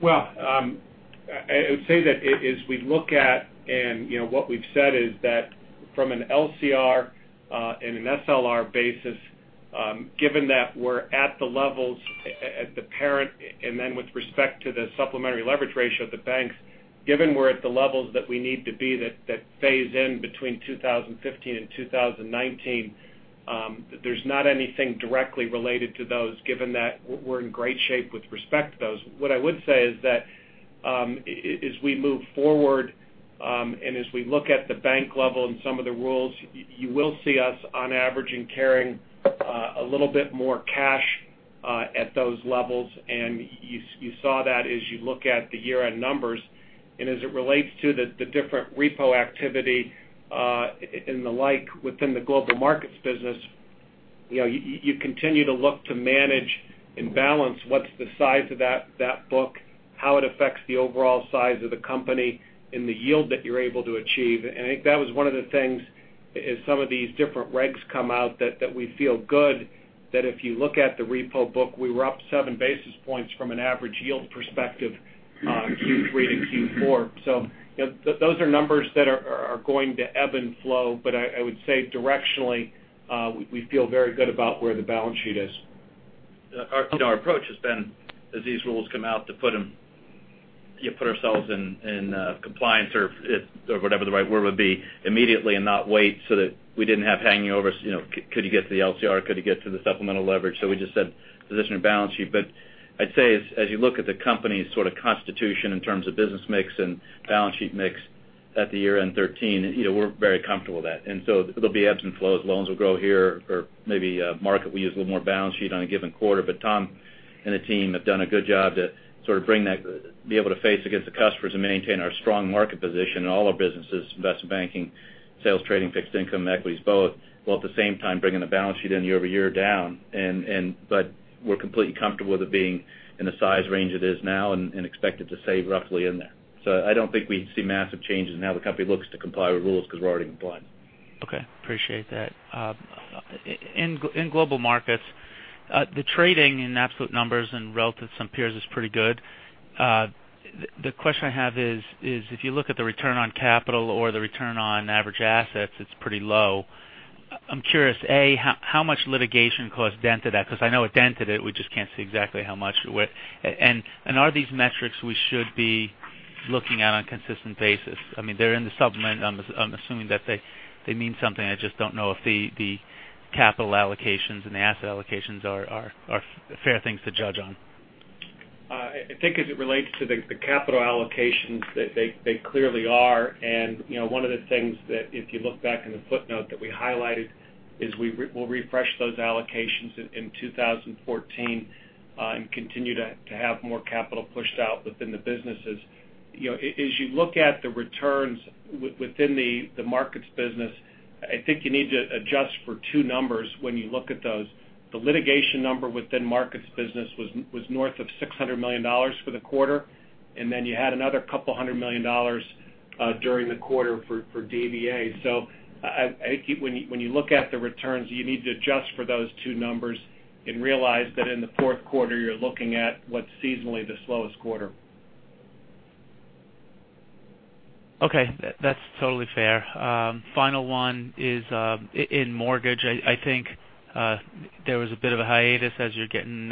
I would say that as we look at, and what we've said is that from an LCR and an SLR basis, given that we're at the levels at the parent, and then with respect to the supplementary leverage ratio of the banks, given we're at the levels that we need to be that phase in between 2015 and 2019, there's not anything directly related to those given that we're in great shape with respect to those. What I would say is that as we move forward, and as we look at the bank level and some of the rules, you will see us on average in carrying a little bit more cash at those levels. You saw that as you look at the year-end numbers. As it relates to the different repo activity and the like within the global markets business, you continue to look to manage and balance what's the size of that book, how it affects the overall size of the company, and the yield that you're able to achieve. I think that was one of the things as some of these different regs come out that we feel good that if you look at the repo book, we were up seven basis points from an average yield perspective on Q3 to Q4. Those are numbers that are going to ebb and flow, but I would say directionally, we feel very good about where the balance sheet is. Our approach has been as these rules come out to put ourselves in compliance or whatever the right word would be immediately and not wait so that we didn't have hanging over us, could you get to the LCR? Could you get to the supplemental leverage? We just said position your balance sheet. I'd say as you look at the company's sort of constitution in terms of business mix and balance sheet mix at the year-end 2013, we're very comfortable with that. There'll be ebbs and flows. Loans will grow here or maybe market, we use a little more balance sheet on a given quarter. Tom and the team have done a good job to sort of be able to face against the customers and maintain our strong market position in all our businesses, investment banking, sales, trading, fixed income, equities, both, while at the same time bringing the balance sheet in year-over-year down. We're completely comfortable with it being in the size range it is now and expect it to stay roughly in there. I don't think we see massive changes in how the company looks to comply with rules because we're already compliant. Okay. Appreciate that. In global markets, the trading in absolute numbers and relative to some peers is pretty good. The question I have is if you look at the return on capital or the return on average assets, it's pretty low. I'm curious, A, how much litigation cost dented that? Because I know it dented it. We just can't see exactly how much. Are these metrics we should be looking at on a consistent basis? They're in the supplement. I'm assuming that they mean something. I just don't know if the capital allocations and the asset allocations are fair things to judge on. I think as it relates to the capital allocations, they clearly are. One of the things that if you look back in the footnote that we highlighted is we'll refresh those allocations in 2014 and continue to have more capital pushed out within the businesses. As you look at the returns within the markets business, I think you need to adjust for two numbers when you look at those. The litigation number within markets business was north of $600 million for the quarter, and then you had another couple hundred million dollars during the quarter for DVA. I think when you look at the returns, you need to adjust for those two numbers and realize that in the fourth quarter, you're looking at what's seasonally the slowest quarter. Okay. That's totally fair. Final one is in mortgage. I think there was a bit of a hiatus as you're getting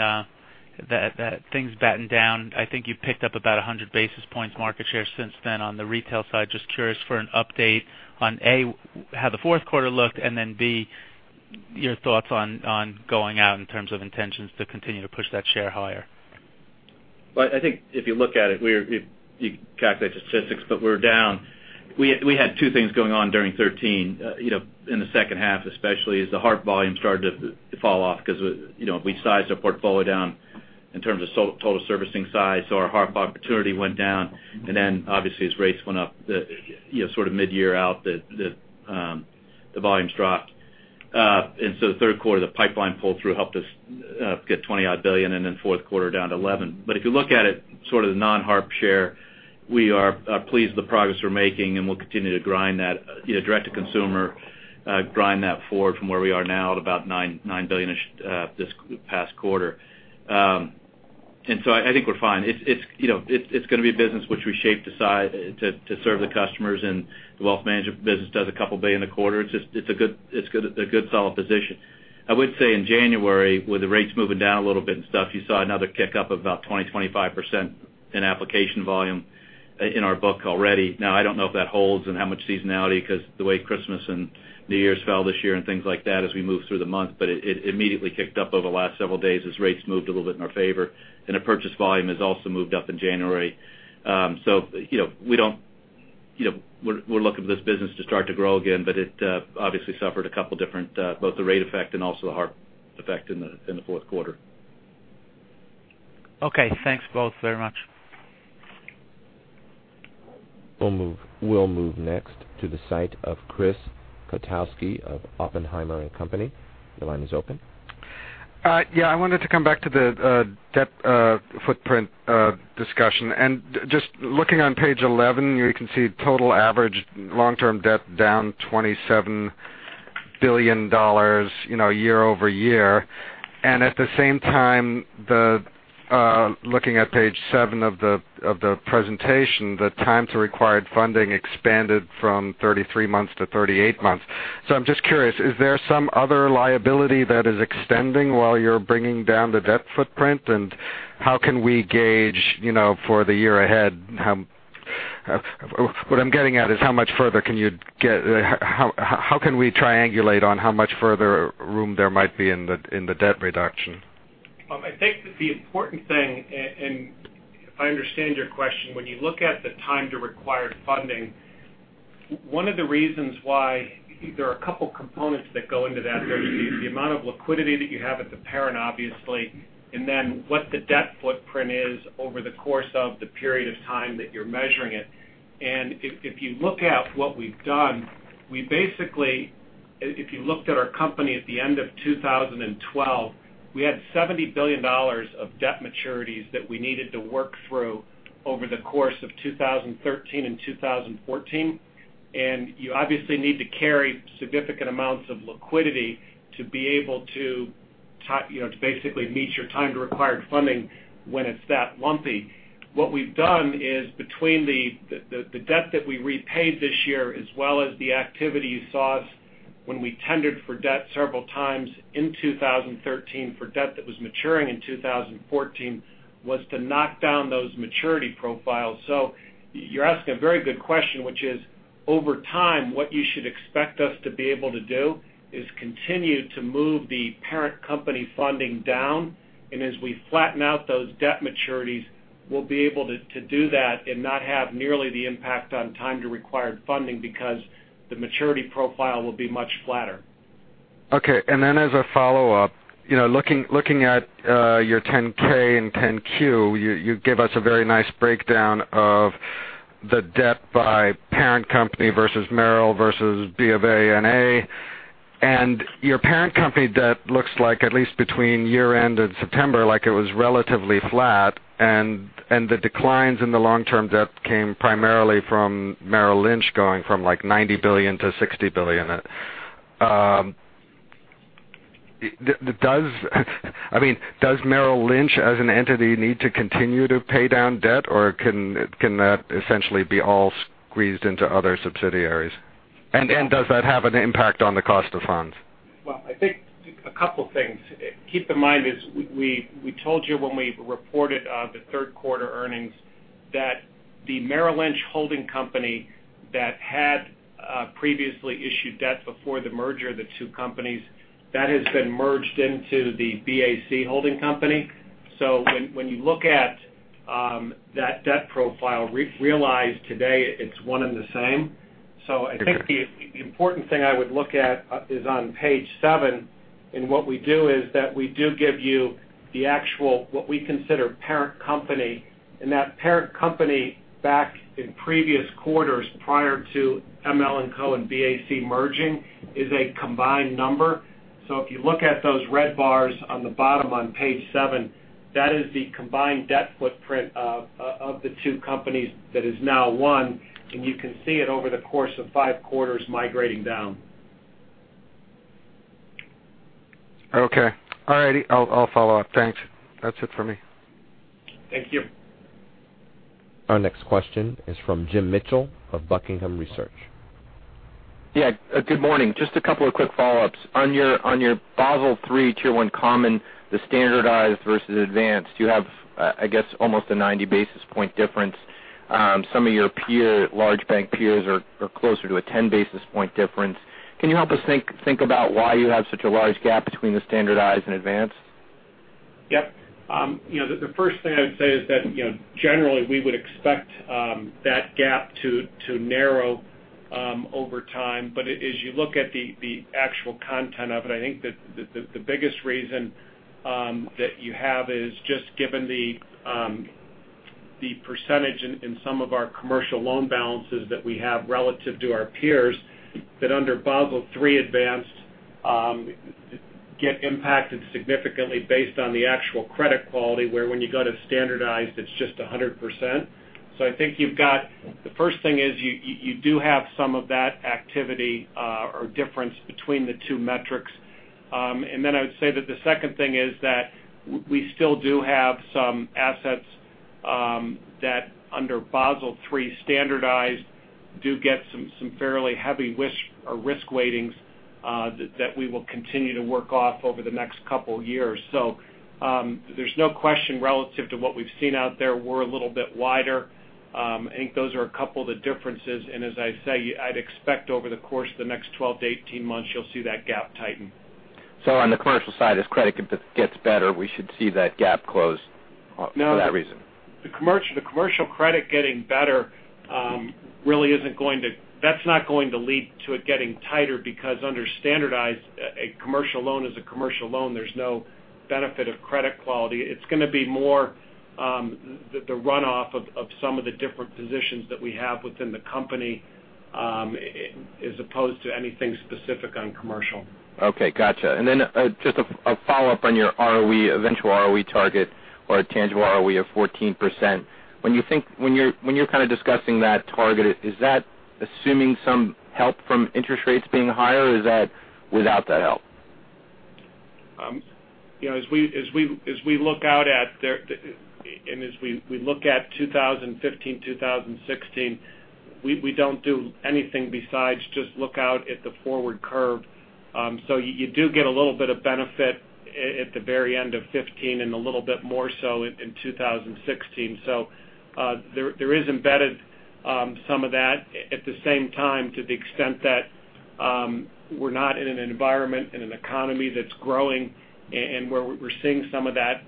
things battened down. I think you've picked up about 100 basis points market share since then on the retail side. Just curious for an update on A, how the fourth quarter looked, and then B, your thoughts on going out in terms of intentions to continue to push that share higher. I think if you look at it, you calculate statistics, but we're down. We had two things going on during 2013. In the second half especially, as the HARP volume started to fall off because we sized our portfolio down in terms of total servicing size. Our HARP opportunity went down. Obviously as rates went up sort of mid-year out, the volumes dropped. The third quarter, the pipeline pull through helped us get $20 odd billion, and then fourth quarter down to $11 billion. If you look at it sort of the non-HARP share, we are pleased with the progress we're making, and we'll continue to grind that direct to consumer, grind that forward from where we are now at about $9 billion-ish this past quarter. I think we're fine. It's going to be a business which we shape to serve the customers, and the wealth management business does about $2 billion a quarter. It's a good solid position. I would say in January, with the rates moving down a little bit and stuff, you saw another kick-up of about 20%-25% in application volume in our book already. I don't know if that holds and how much seasonality because the way Christmas and New Year's fell this year and things like that as we move through the month. It immediately kicked up over the last several days as rates moved a little bit in our favor. The purchase volume has also moved up in January. We're looking for this business to start to grow again, but it obviously suffered a couple different both the rate effect and also the HARP effect in the fourth quarter. Okay. Thanks both very much. We'll move next to the side of Chris Kotowski of Oppenheimer & Co. Your line is open. I wanted to come back to the debt footprint discussion. Just looking on page 11, you can see total average long-term debt down $27 billion year-over-year. At the same time, looking at page seven of the presentation, the time to required funding expanded from 33 months to 38 months. I'm just curious, is there some other liability that is extending while you're bringing down the debt footprint? How can we gauge for the year ahead? What I'm getting at is, how can we triangulate on how much further room there might be in the debt reduction? I think that the important thing, if I understand your question, when you look at the time to required funding, one of the reasons why there are a couple components that go into that. There's the amount of liquidity that you have at the parent, obviously, then what the debt footprint is over the course of the period of time that you're measuring it. If you look at what we've done, if you looked at our company at the end of 2012, we had $70 billion of debt maturities that we needed to work through over the course of 2013 and 2014. You obviously need to carry significant amounts of liquidity to be able to basically meet your time to required funding when it's that lumpy. What we've done is, between the debt that we repaid this year, as well as the activity you saw when we tendered for debt several times in 2013 for debt that was maturing in 2014, was to knock down those maturity profiles. You're asking a very good question, which is, over time, what you should expect us to be able to do is continue to move the parent company funding down. As we flatten out those debt maturities, we'll be able to do that and not have nearly the impact on time to required funding because the maturity profile will be much flatter. Okay. As a follow-up, looking at your 10-K and 10-Q, you give us a very nice breakdown of the debt by parent company versus Merrill, versus Bank of America N.A. Your parent company debt looks like at least between year-end and September, like it was relatively flat, and the declines in the long-term debt came primarily from Merrill Lynch going from like $90 billion to $60 billion. Does Merrill Lynch as an entity need to continue to pay down debt, or can that essentially be all squeezed into other subsidiaries? Does that have an impact on the cost of funds? Well, I think a couple things. Keep in mind, we told you when we reported the third quarter earnings that the Merrill Lynch holding company that had previously issued debt before the merger of the two companies, that has been merged into the BAC holding company. When you look at that debt profile, realize today it's one and the same. I think the important thing I would look at is on page seven, what we do is that we do give you the actual, what we consider parent company. That parent company, back in previous quarters prior to ML&Co. and BAC merging, is a combined number. If you look at those red bars on the bottom on page seven, that is the combined debt footprint of the two companies that is now one, you can see it over the course of five quarters migrating down. Okay. All righty. I'll follow up. Thanks. That's it for me. Thank you. Our next question is from Jim Mitchell of Buckingham Research. Yeah, good morning. Just a couple of quick follow-ups. On your Basel III Tier 1 Common, the standardized versus advanced, you have, I guess, almost a 90-basis-point difference. Some of your large bank peers are closer to a 10-basis-point difference. Can you help us think about why you have such a large gap between the standardized and advanced? Yep. The first thing I would say is that generally we would expect that gap to narrow over time. As you look at the actual content of it, I think that the biggest reason that you have is just given the percentage in some of our commercial loan balances that we have relative to our peers, that under Basel III advanced get impacted significantly based on the actual credit quality, where when you go to standardized, it's just 100%. I think the first thing is you do have some of that activity or difference between the two metrics. Then I would say that the second thing is that we still do have some assets that under Basel III standardized do get some fairly heavy risk weightings that we will continue to work off over the next couple of years. There's no question relative to what we've seen out there. We're a little bit wider. I think those are a couple of the differences, and as I say, I'd expect over the course of the next 12 to 18 months, you'll see that gap tighten. On the commercial side, as credit gets better, we should see that gap close for that reason. The commercial credit getting better, that's not going to lead to it getting tighter because under standardized, a commercial loan is a commercial loan. There's no benefit of credit quality. It's going to be more the runoff of some of the different positions that we have within the company as opposed to anything specific on commercial. Okay, gotcha. Then just a follow-up on your eventual ROE target or tangible ROE of 14%. When you're kind of discussing that target, is that assuming some help from interest rates being higher, or is that without that help? As we look out at, and as we look at 2015, 2016, we don't do anything besides just look out at the forward curve. You do get a little bit of benefit at the very end of 2015 and a little bit more so in 2016. There is embedded some of that. At the same time, to the extent that we're not in an environment, in an economy that's growing and where we're seeing some of that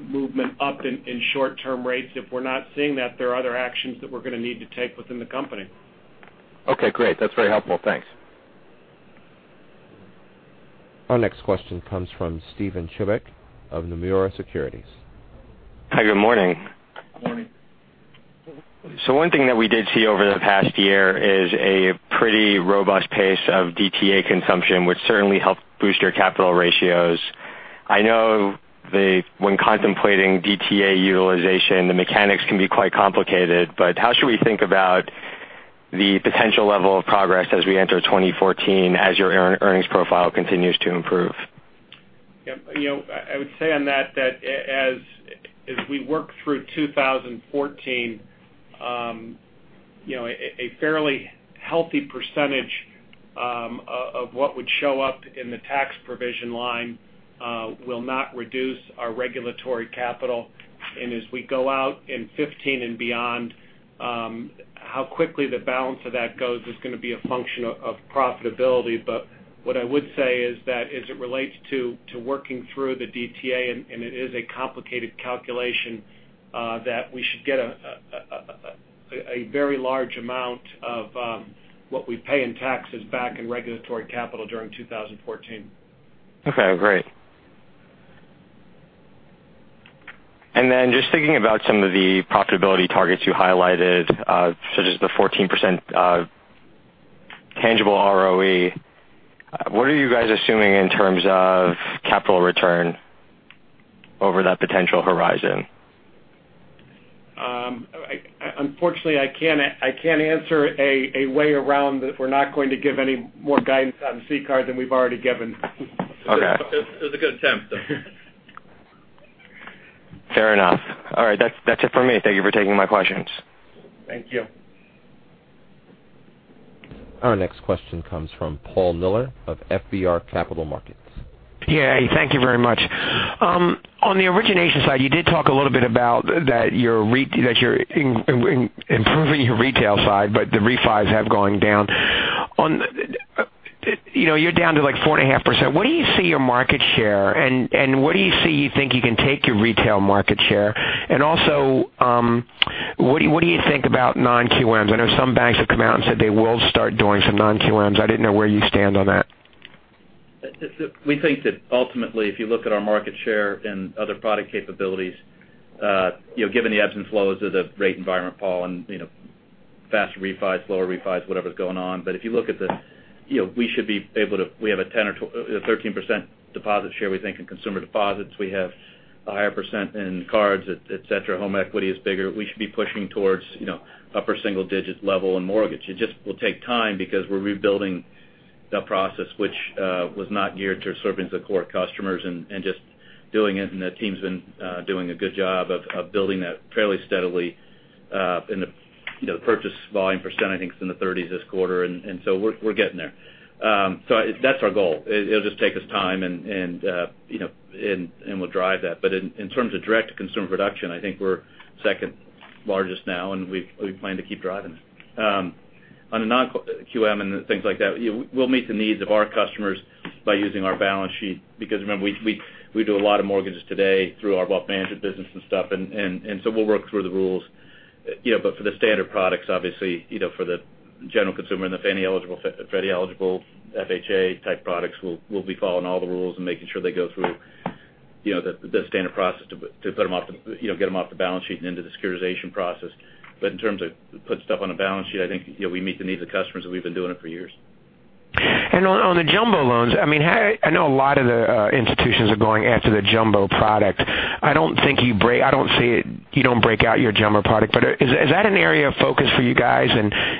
movement up in short-term rates. If we're not seeing that, there are other actions that we're going to need to take within the company. Okay, great. That's very helpful. Thanks. Our next question comes from Steven Chubak of Nomura Securities. Hi, good morning. Morning. One thing that we did see over the past year is a pretty robust pace of DTA consumption, which certainly helped boost your capital ratios. I know when contemplating DTA utilization, the mechanics can be quite complicated, but how should we think about the potential level of progress as we enter 2014, as your earnings profile continues to improve? I would say on that as we work through 2014, a fairly healthy percentage of what would show up in the tax provision line will not reduce our regulatory capital. As we go out in 2015 and beyond, how quickly the balance of that goes is going to be a function of profitability. What I would say is that as it relates to working through the DTA, and it is a complicated calculation, that we should get a very large amount of what we pay in taxes back in regulatory capital during 2014. Okay, great. Just thinking about some of the profitability targets you highlighted, such as the 14% tangible ROE, what are you guys assuming in terms of capital return over that potential horizon? Unfortunately, I can't answer a way around we're not going to give any more guidance on CCAR than we've already given. Okay. It was a good attempt, though. Fair enough. All right. That's it for me. Thank you for taking my questions. Thank you. Our next question comes from Paul Miller of FBR Capital Markets. Yeah. Thank you very much. On the origination side, you did talk a little bit about that you're improving your retail side. The refis have gone down. You're down to like 4.5%. Where do you see your market share, and where do you see you think you can take your retail market share? Also, what do you think about non-QMs? I know some banks have come out and said they will start doing some non-QMs. I didn't know where you stand on that. We think that ultimately, if you look at our market share and other product capabilities, given the ebbs and flows of the rate environment, Paul, and faster refis, lower refis, whatever's going on. If you look at, we have a 13% deposit share, we think, in consumer deposits. We have a higher percent in cards, et cetera. Home equity is bigger. We should be pushing towards upper single-digit level in mortgage. It just will take time because we're rebuilding the process, which was not geared to serving the core customers and just doing it. The team's been doing a good job of building that fairly steadily. The purchase volume percent, I think, is in the 30s this quarter. We're getting there. That's our goal. It'll just take us time, and we'll drive that. In terms of direct-to-consumer production, I think we're second largest now, and we plan to keep driving that. On a non-QM and things like that, we'll meet the needs of our customers by using our balance sheet because remember, we do a lot of mortgages today through our wealth management business and stuff. We'll work through the rules. For the standard products, obviously, for the general consumer and the Freddie eligible, FHA type products, we'll be following all the rules and making sure they go through the standard process to get them off the balance sheet and into the securitization process. In terms of put stuff on a balance sheet, I think we meet the needs of customers, and we've been doing it for years. On the jumbo loans, I know a lot of the institutions are going after the jumbo product. I don't see it. You don't break out your jumbo product. Is that an area of focus for you guys?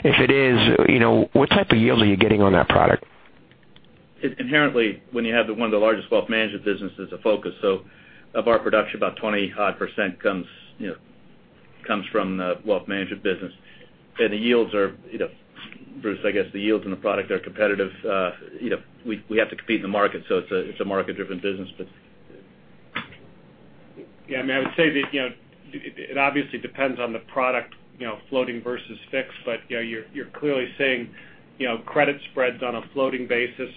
If it is, what type of yield are you getting on that product? Inherently, when you have one of the largest wealth management businesses, it's a focus. Of our production, about 20 odd percent comes from wealth management business. Bruce, I guess the yields in the product are competitive. We have to compete in the market. It's a market-driven business. I would say that it obviously depends on the product floating versus fixed. You're clearly seeing credit spreads on a floating basis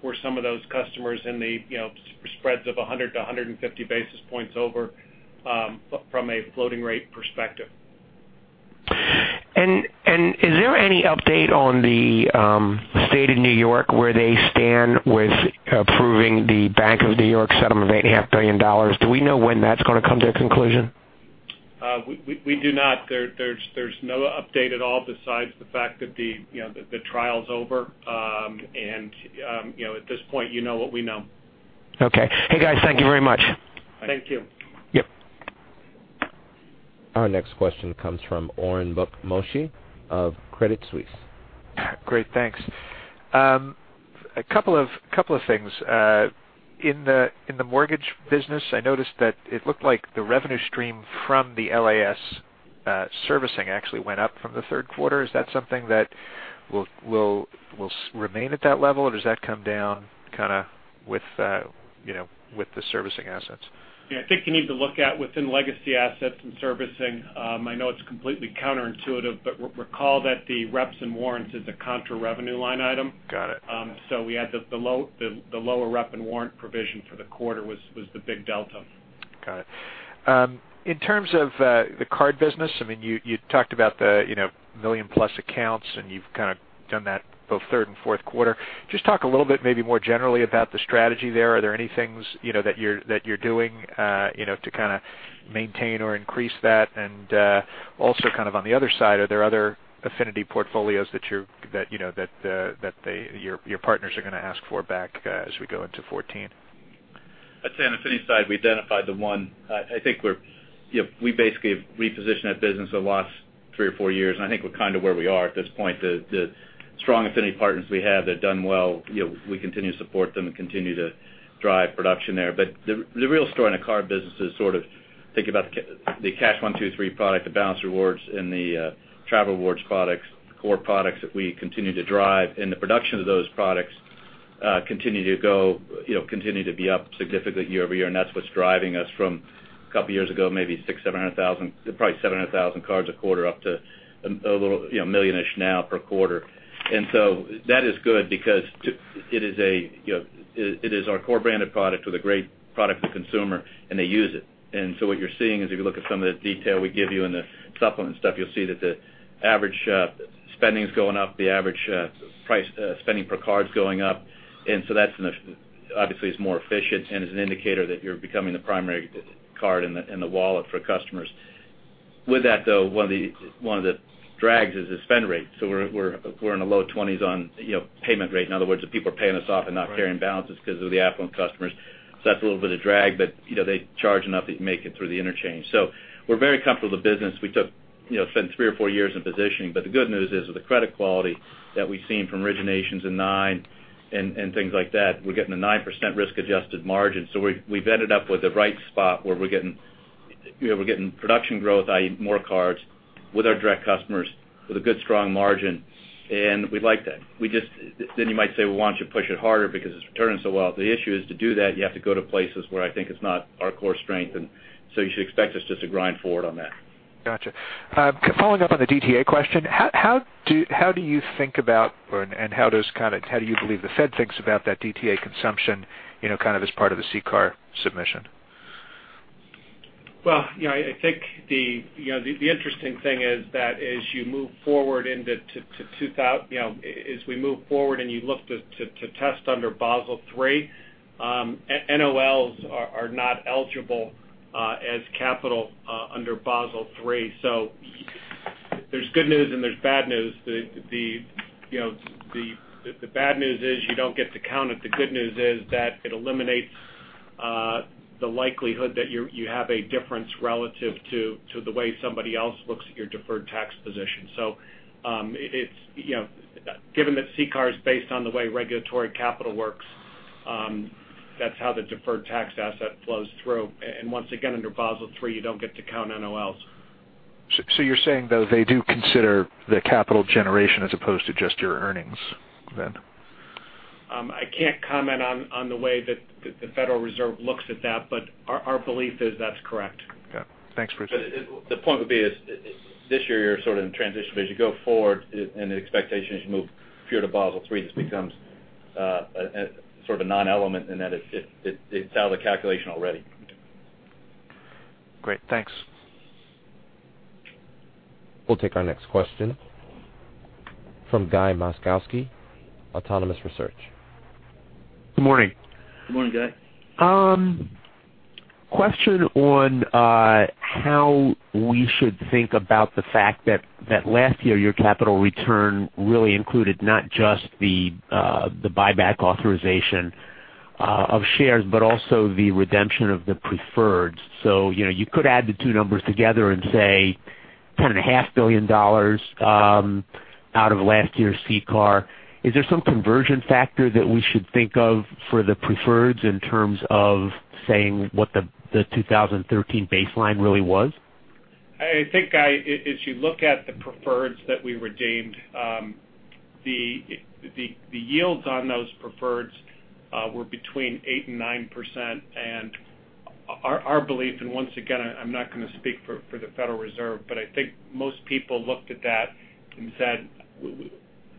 for some of those customers in the spreads of 100 to 150 basis points over from a floating rate perspective. Is there any update on the State of New York, where they stand with approving the Bank of New York settlement of $8.5 billion? Do we know when that's going to come to a conclusion? We do not. There's no update at all besides the fact that the trial's over. At this point, you know what we know. Okay. Hey, guys, thank you very much. Thank you. Yep. Our next question comes from Moshe Orenbuch of Credit Suisse. Great. Thanks. A couple of things. In the mortgage business, I noticed that it looked like the revenue stream from the LAS servicing actually went up from the third quarter. Is that something that will remain at that level, or does that come down with the servicing assets? Yeah. I think you need to look at within Legacy Assets and Servicing. I know it's completely counterintuitive, but recall that the reps and warrants is a contra revenue line item. Got it. We had the lower rep and warrant provision for the quarter was the big delta. Got it. In terms of the card business, you talked about the 1 million-plus accounts, and you've done that both third and fourth quarter. Just talk a little bit, maybe more generally about the strategy there. Are there any things that you're doing to maintain or increase that? Also on the other side, are there other affinity portfolios that your partners are going to ask for back as we go into 2014? I'd say on the affinity side, we identified the one. We basically have repositioned that business the last three or four years. We're kind of where we are at this point. The strong affinity partners we have that have done well, we continue to support them and continue to drive production there. The real story in the card business is think about the BankAmericard Cash Rewards product, the BankAmericard Better Balance Rewards, and the BankAmericard Travel Rewards products, core products that we continue to drive. The production of those products continue to be up significantly year-over-year. That's what's driving us from a couple of years ago, maybe 600,000, 700,000, probably 700,000 cards a quarter up to a little million now per quarter. That is good because it is our core branded product with a great product to consumer, and they use it. What you're seeing is if you look at some of the detail we give you in the supplement, you'll see that the average spending's going up, the average price spending per card's going up. That obviously is more efficient and is an indicator that you're becoming the primary card in the wallet for customers. With that, though, one of the drags is the spend rate. We're in the low 20s on payment rate. In other words, the people are paying us off and not carrying balances because of the affluent customers. That's a little bit of drag, but they charge enough that you make it through the interchange. We're very comfortable with the business. We spent three or four years in positioning. The good news is with the credit quality that we've seen from originations in 2009 and things like that, we're getting a 9% risk-adjusted margin. We've ended up with the right spot where we're getting production growth, i.e., more cards with our direct customers with a good, strong margin. We like that. You might say, "Well, why don't you push it harder because it's returning so well?" The issue is to do that, you have to go to places where I think it's not our core strength. You should expect us just to grind forward on that. Got you. Following up on the DTA question, how do you think about, how do you believe the Fed thinks about that DTA consumption as part of the CCAR submission? I think the interesting thing is that as we move forward and you look to test under Basel III, NOLs are not eligible as capital under Basel III. There's good news and there's bad news. The bad news is you don't get to count it. The good news is that it eliminates the likelihood that you have a difference relative to the way somebody else looks at your deferred tax position. Given that CCAR is based on the way regulatory capital works, that's how the deferred tax asset flows through. Once again, under Basel III, you don't get to count NOLs. You're saying, though, they do consider the capital generation as opposed to just your earnings then? I can't comment on the way that the Federal Reserve looks at that. Our belief is that's correct. Okay. Thanks, Richard. The point would be is this year you're sort of in transition, but as you go forward and the expectation as you move pure to Basel III, this becomes sort of a non-element in that it's out of the calculation already. Great. Thanks. We'll take our next question from Guy Moszkowski, Autonomous Research. Good morning. Good morning, Guy. Question on how we should think about the fact that last year your capital return really included not just the buyback authorization of shares, but also the redemption of the preferreds. You could add the two numbers together and say $10.5 billion out of last year's CCAR. Is there some conversion factor that we should think of for the preferreds in terms of saying what the 2013 baseline really was? I think, Guy, as you look at the preferreds that we redeemed, the yields on those preferreds were between 8% and 9%. Our belief, and once again, I'm not going to speak for the Federal Reserve, but I think most people looked at that and said,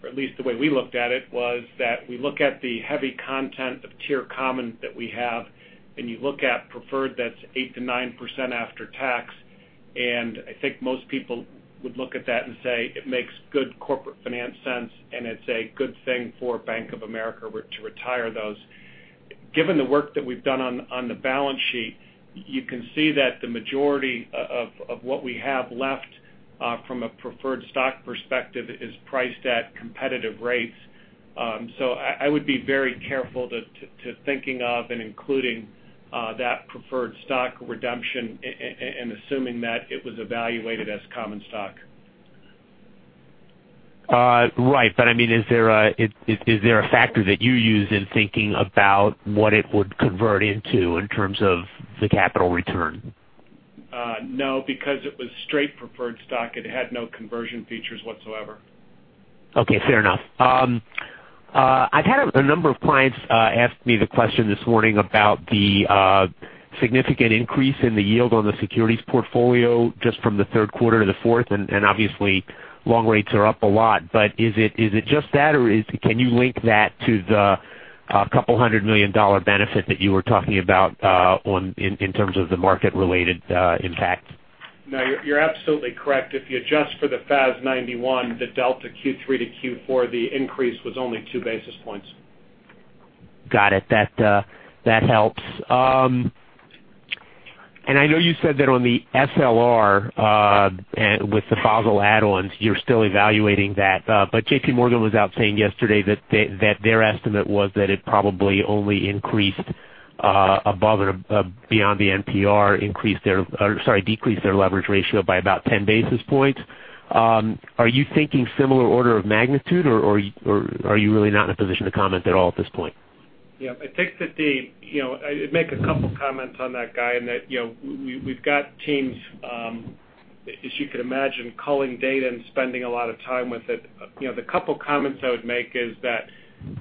or at least the way we looked at it was that we look at the heavy content of Tier common that we have, and you look at preferred that's 8%-9% after tax. I think most people would look at that and say it makes good corporate finance sense, and it's a good thing for Bank of America to retire those. Given the work that we've done on the balance sheet, you can see that the majority of what we have left from a preferred stock perspective is priced at competitive rates. I would be very careful to thinking of and including that preferred stock redemption and assuming that it was evaluated as common stock. Right. Is there a factor that you use in thinking about what it would convert into in terms of the capital return? No, because it was straight preferred stock. It had no conversion features whatsoever. Okay, fair enough. I've had a number of clients ask me the question this morning about the significant increase in the yield on the securities portfolio just from the third quarter to the fourth. Obviously long rates are up a lot. Is it just that, or can you link that to the $200 million benefit that you were talking about in terms of the market-related impact? No, you're absolutely correct. If you adjust for the FAS 91, the delta Q3 to Q4, the increase was only two basis points. Got it. That helps. I know you said that on the SLR with the Basel add-ons, you're still evaluating that. JP Morgan was out saying yesterday that their estimate was that it probably only increased above and beyond the NPR, decreased their leverage ratio by about 10 basis points. Are you thinking similar order of magnitude, or are you really not in a position to comment at all at this point? Yeah. I'd make a couple comments on that, Guy, that we've got teams, as you could imagine, culling data and spending a lot of time with it. The couple comments I would make is that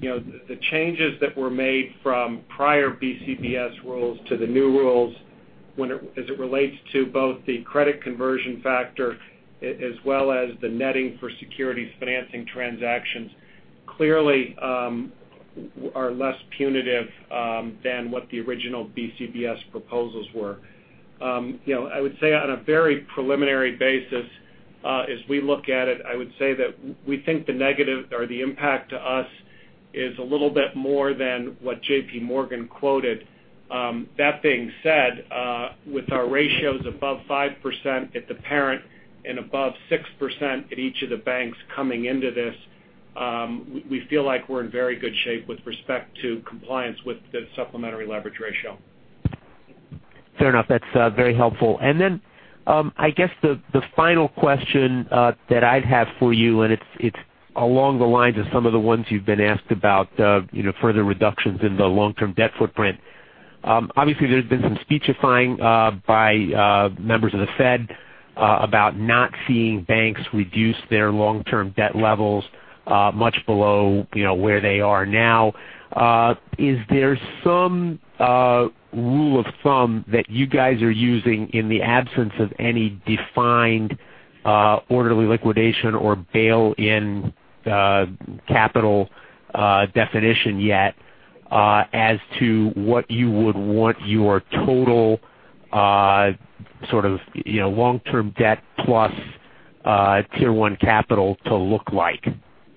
the changes that were made from prior BCBS rules to the new rules as it relates to both the credit conversion factor as well as the netting for securities financing transactions clearly are less punitive than what the original BCBS proposals were. I would say on a very preliminary basis as we look at it, I would say that we think the negative or the impact to us is a little bit more than what JP Morgan quoted. That being said, with our ratios above 5% at the parent and above 6% at each of the banks coming into this, we feel like we're in very good shape with respect to compliance with the supplementary leverage ratio. Fair enough. That's very helpful. I guess the final question that I'd have for you, and it's along the lines of some of the ones you've been asked about further reductions in the long-term debt footprint. Obviously there's been some speechifying by members of the Fed about not seeing banks reduce their long-term debt levels much below where they are now. Is there some rule of thumb that you guys are using in the absence of any defined orderly liquidation or bail-in capital definition yet as to what you would want your total long-term debt plus Tier 1 capital to look like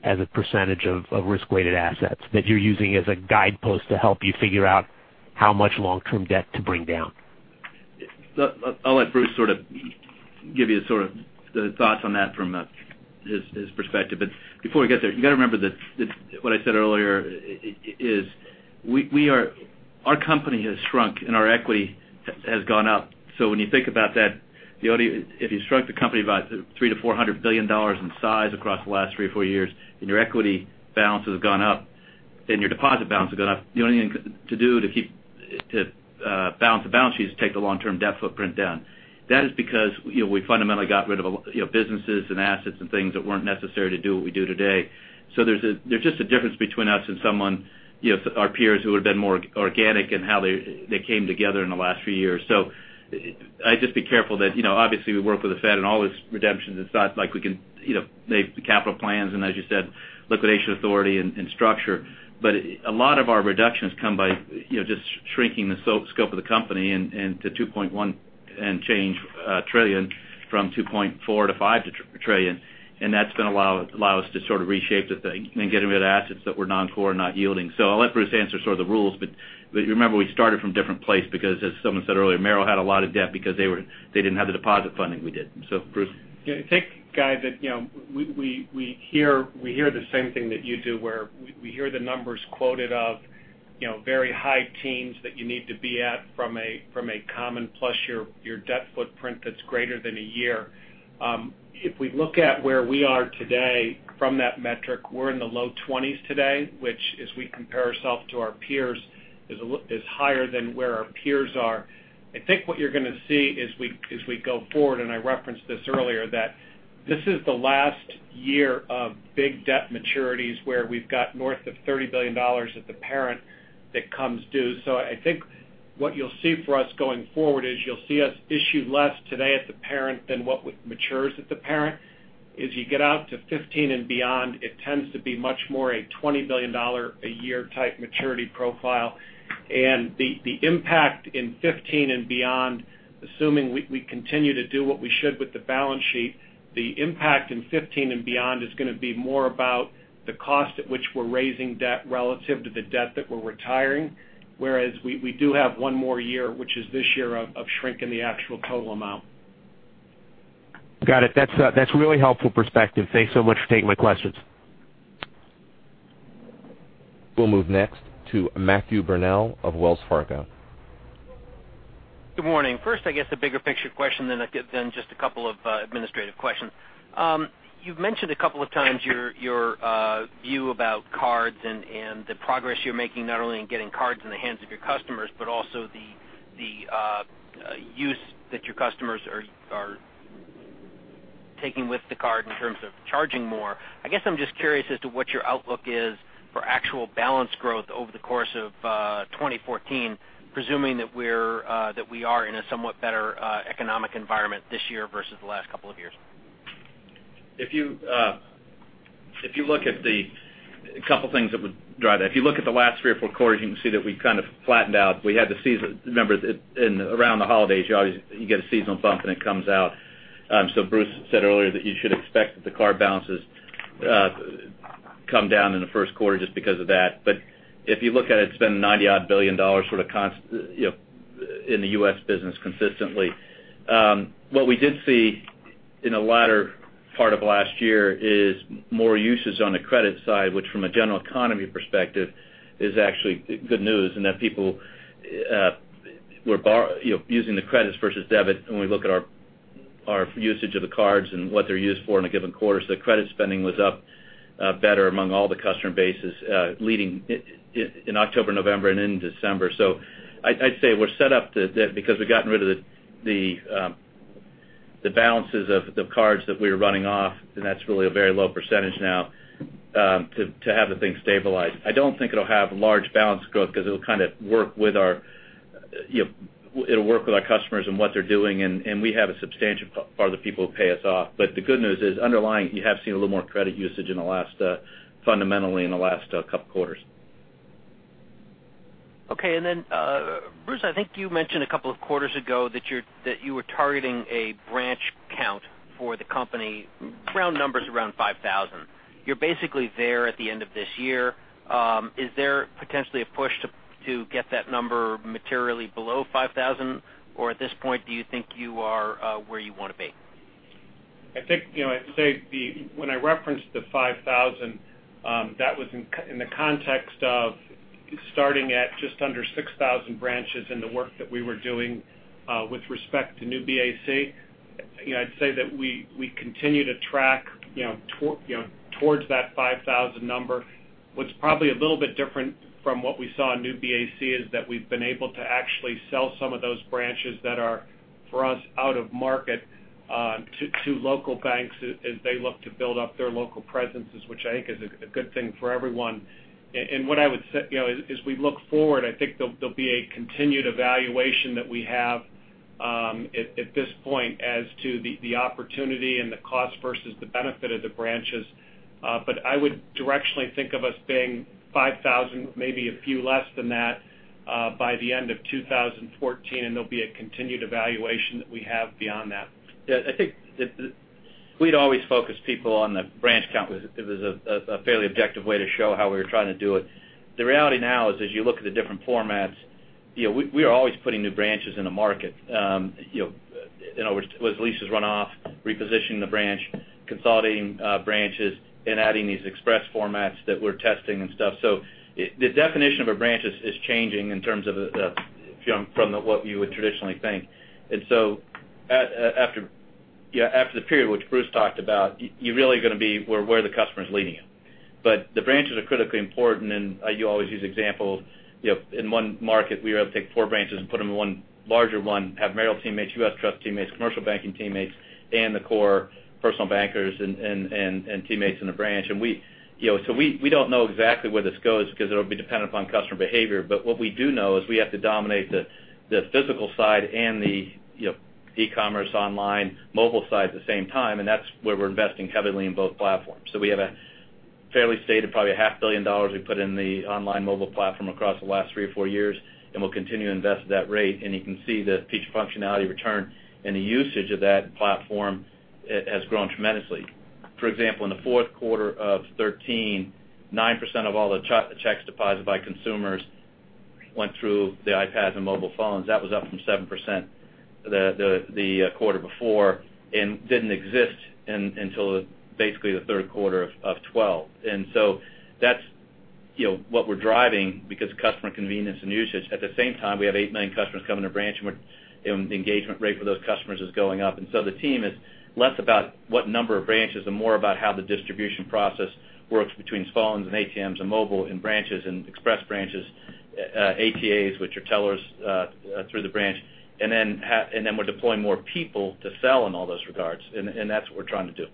as a percentage of risk-weighted assets that you're using as a guidepost to help you figure out how much long-term debt to bring down? I'll let Bruce give you the thoughts on that from his perspective. Before we get there, you got to remember that what I said earlier is our company has shrunk, and our equity has gone up. When you think about that, if you shrunk the company about $300 billion-$400 billion in size across the last three or four years and your equity balance has gone up and your deposit balance has gone up, the only thing to do to balance the balance sheet is take the long-term debt footprint down. That is because we fundamentally got rid of businesses and assets and things that weren't necessary to do what we do today. There's just a difference between us and our peers who would've been more organic in how they came together in the last few years. I'd just be careful that obviously we work with the Fed and all this redemptions and such, like we can make the capital plans and as you said, liquidation authority and structure. A lot of our reductions come by just shrinking the scope of the company to $2.1 trillion and change from $2.4 trillion-$5 trillion. That's going to allow us to reshape the thing and get rid of assets that were non-core and not yielding. I'll let Bruce answer the rules, but remember, we started from a different place because as someone said earlier, Merrill had a lot of debt because they didn't have the deposit funding we did. Bruce. Yeah. I think, Guy, that we hear the same thing that you do where we hear the numbers quoted of very high teens that you need to be at from a common plus your debt footprint that's greater than a year. If we look at where we are today from that metric, we're in the low twenties today, which as we compare ourself to our peers, is higher than where our peers are. I think what you're going to see as we go forward, and I referenced this earlier, that this is the last year of big debt maturities where we've got north of $30 billion at the parent that comes due. I think what you'll see for us going forward is you'll see us issue less today at the parent than what matures at the parent. As you get out to 2015 and beyond, it tends to be much more a $20 billion a year type maturity profile. The impact in 2015 and beyond, assuming we continue to do what we should with the balance sheet, the impact in 2015 and beyond is going to be more about The cost at which we're raising debt relative to the debt that we're retiring, whereas we do have one more year, which is this year, of shrinking the actual total amount. Got it. That's really helpful perspective. Thanks so much for taking my questions. We'll move next to Matt Burnell of Wells Fargo. Good morning. I guess, the bigger picture question, then just a couple of administrative questions. You've mentioned a couple of times your view about cards and the progress you're making, not only in getting cards in the hands of your customers, but also the use that your customers are taking with the card in terms of charging more. I guess I'm just curious as to what your outlook is for actual balance growth over the course of 2014, presuming that we are in a somewhat better economic environment this year versus the last couple of years. A couple things that would drive that. If you look at the last three or four quarters, you can see that we've kind of flattened out. Remember, around the holidays, you get a seasonal bump, and it comes out. Bruce said earlier that you should expect that the card balances come down in the first quarter just because of that. If you look at it's been $90-odd billion in the U.S. business consistently. What we did see in the latter part of last year is more usage on the credit side, which from a general economy perspective is actually good news in that people were using the credits versus debit when we look at our usage of the cards and what they're used for in a given quarter. The credit spending was up better among all the customer bases leading in October, November, and in December. I'd say we're set up because we've gotten rid of the balances of the cards that we were running off, and that's really a very low % now to have the thing stabilized. I don't think it'll have large balance growth because it'll work with our customers and what they're doing, and we have a substantial part of the people who pay us off. The good news is underlying, you have seen a little more credit usage fundamentally in the last couple of quarters. Okay. Bruce, I think you mentioned a couple of quarters ago that you were targeting a branch count for the company, round numbers around 5,000. You're basically there at the end of this year. Is there potentially a push to get that number materially below 5,000? At this point, do you think you are where you want to be? I'd say when I referenced the 5,000, that was in the context of starting at just under 6,000 branches in the work that we were doing with respect to New BAC. I'd say that we continue to track towards that 5,000 number. What's probably a little bit different from what we saw in New BAC is that we've been able to actually sell some of those branches that are, for us, out of market to local banks as they look to build up their local presences, which I think is a good thing for everyone. As we look forward, I think there'll be a continued evaluation that we have at this point as to the opportunity and the cost versus the benefit of the branches. I would directionally think of us being 5,000, maybe a few less than that by the end of 2014, and there'll be a continued evaluation that we have beyond that. I think we'd always focus people on the branch count because it was a fairly objective way to show how we were trying to do it. The reality now is, as you look at the different formats, we are always putting new branches in the market. As leases run off, repositioning the branch, consolidating branches, and adding these express formats that we're testing and stuff. The definition of a branch is changing in terms of from what you would traditionally think. After the period which Bruce talked about, you're really going to be where the customer's leading you. The branches are critically important, and you always use examples. In one market, we were able to take four branches and put them in one larger one, have Merrill teammates, U.S. Trust teammates, commercial banking teammates, and the core personal bankers and teammates in a branch. We don't know exactly where this goes because it'll be dependent upon customer behavior. What we do know is we have to dominate the physical side and the e-commerce online mobile side at the same time, and that's where we're investing heavily in both platforms. We have a fairly stated probably a half billion dollars we put in the online mobile platform across the last three or four years, and we'll continue to invest at that rate. You can see the feature functionality return, and the usage of that platform has grown tremendously. For example, in the fourth quarter of 2013, 9% of all the checks deposited by consumers went through the iPad and mobile phones. That was up from 7% the quarter before and didn't exist until basically the third quarter of 2012. That's what we're driving because customer convenience and usage. At the same time, we have eight, nine customers coming to branch, and the engagement rate for those customers is going up. The team is less about what number of branches and more about how the distribution process works between phones and ATMs and mobile and branches and express branches, ATAs, which are tellers through the branch. Then we're deploying more people to sell in all those regards, and that's what we're trying to do.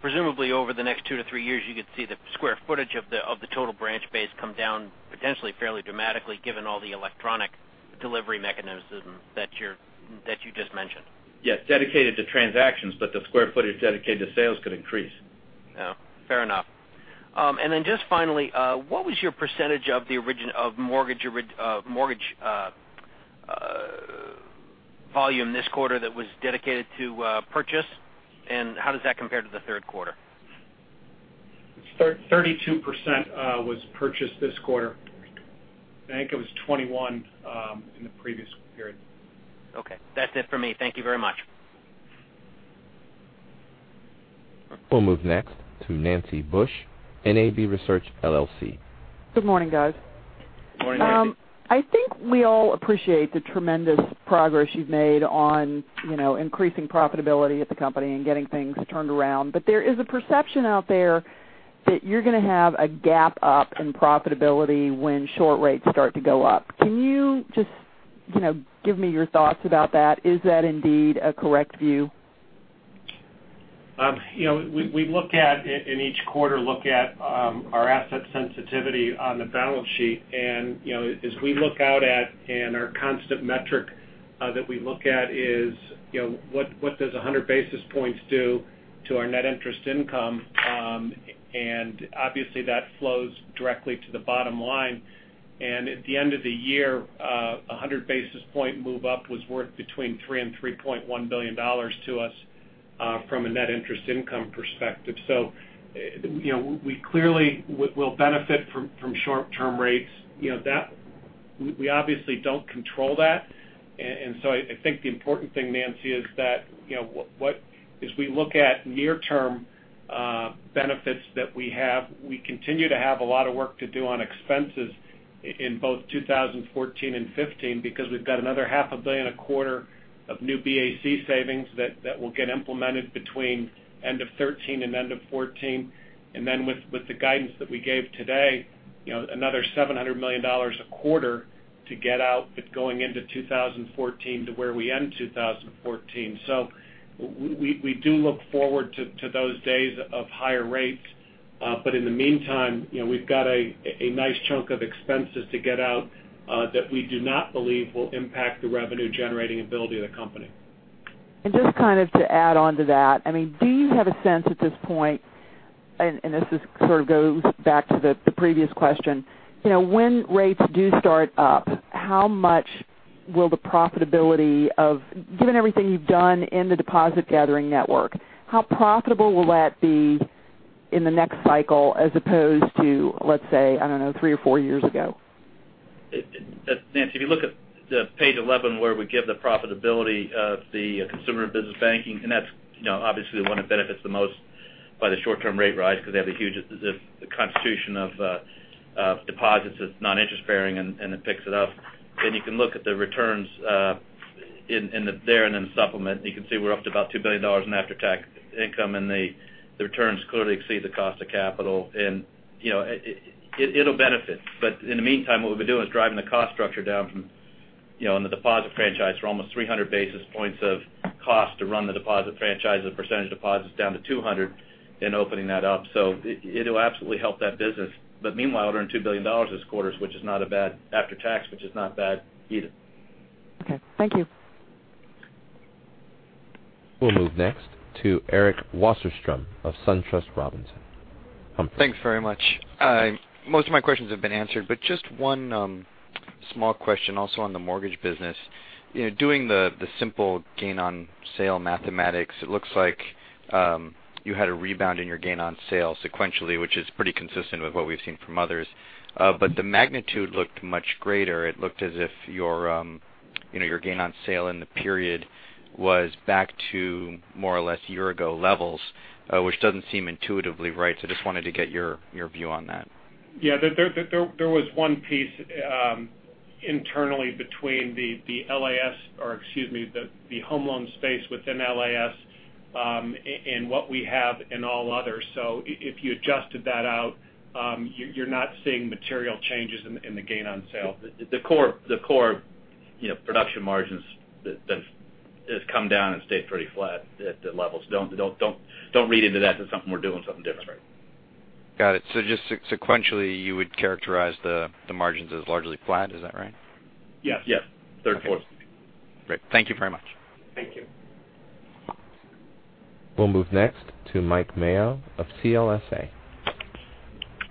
Presumably over the next two to three years, you could see the square footage of the total branch base come down potentially fairly dramatically given all the electronic delivery mechanisms that you just mentioned. Yes, dedicated to transactions, but the square footage dedicated to sales could increase. Yeah. Fair enough. Just finally, what was your percentage of mortgage volume this quarter that was dedicated to purchase, and how does that compare to the third quarter? 32% was purchased this quarter. I think it was 21 in the previous period. Okay. That's it for me. Thank you very much. We'll move next to Nancy Bush, NAB Research LLC. Good morning, guys. Good morning, Nancy. I think we all appreciate the tremendous progress you've made on increasing profitability at the company and getting things turned around. There is a perception out there that you're going to have a gap up in profitability when short rates start to go up. Can you just give me your thoughts about that? Is that indeed a correct view? We in each quarter look at our asset sensitivity on the balance sheet, and as we look out at, and our constant metric that we look at is, what does 100 basis points do to our net interest income? Obviously, that flows directly to the bottom line. At the end of the year, 100 basis point move up was worth between $3 and $3.1 billion to us from a net interest income perspective. We clearly will benefit from short-term rates. We obviously don't control that, I think the important thing, Nancy, is that as we look at near-term benefits that we have, we continue to have a lot of work to do on expenses in both 2014 and 2015 because we've got another half a billion a quarter of New BAC savings that will get implemented between end of 2013 and end of 2014. With the guidance that we gave today, another $700 million a quarter to get out that's going into 2014 to where we end 2014. We do look forward to those days of higher rates. In the meantime, we've got a nice chunk of expenses to get out that we do not believe will impact the revenue-generating ability of the company. Just to add on to that, do you have a sense at this point, and this just sort of goes back to the previous question, when rates do start up, given everything you've done in the deposit gathering network, how profitable will that be in the next cycle as opposed to, let's say, I don't know, three or four years ago? Nancy, if you look at page 11 where we give the profitability of the consumer and business banking. That's obviously the one that benefits the most by the short-term rate rise because they have a huge constitution of deposits that's non-interest bearing, and it picks it up. You can look at the returns there and in the supplement, and you can see we're up to about $2 billion in after-tax income. The returns clearly exceed the cost of capital. It'll benefit. In the meantime, what we've been doing is driving the cost structure down from in the deposit franchise from almost 300 basis points of cost to run the deposit franchise as a percentage of deposits down to 200 and opening that up. It'll absolutely help that business. Meanwhile, we're earning $2 billion this quarter, which is not a bad after-tax, which is not bad either. Okay. Thank you. We'll move next to Eric Wasserstrom of SunTrust Robinson. Thanks very much. Most of my questions have been answered, but just one small question also on the mortgage business. Doing the simple gain on sale mathematics, it looks like you had a rebound in your gain on sale sequentially, which is pretty consistent with what we've seen from others. The magnitude looked much greater. It looked as if your gain on sale in the period was back to more or less year-ago levels, which doesn't seem intuitively right. Just wanted to get your view on that. Yeah. There was one piece internally between the home loan space within LAS, and what we have in all others. If you adjusted that out, you're not seeing material changes in the gain on sale. The core production margins has come down and stayed pretty flat at the levels. Don't read into that as we're doing something different. Got it. Just sequentially, you would characterize the margins as largely flat. Is that right? Yes. Third quarter. Great. Thank you very much. Thank you. We'll move next to Mike Mayo of CLSA.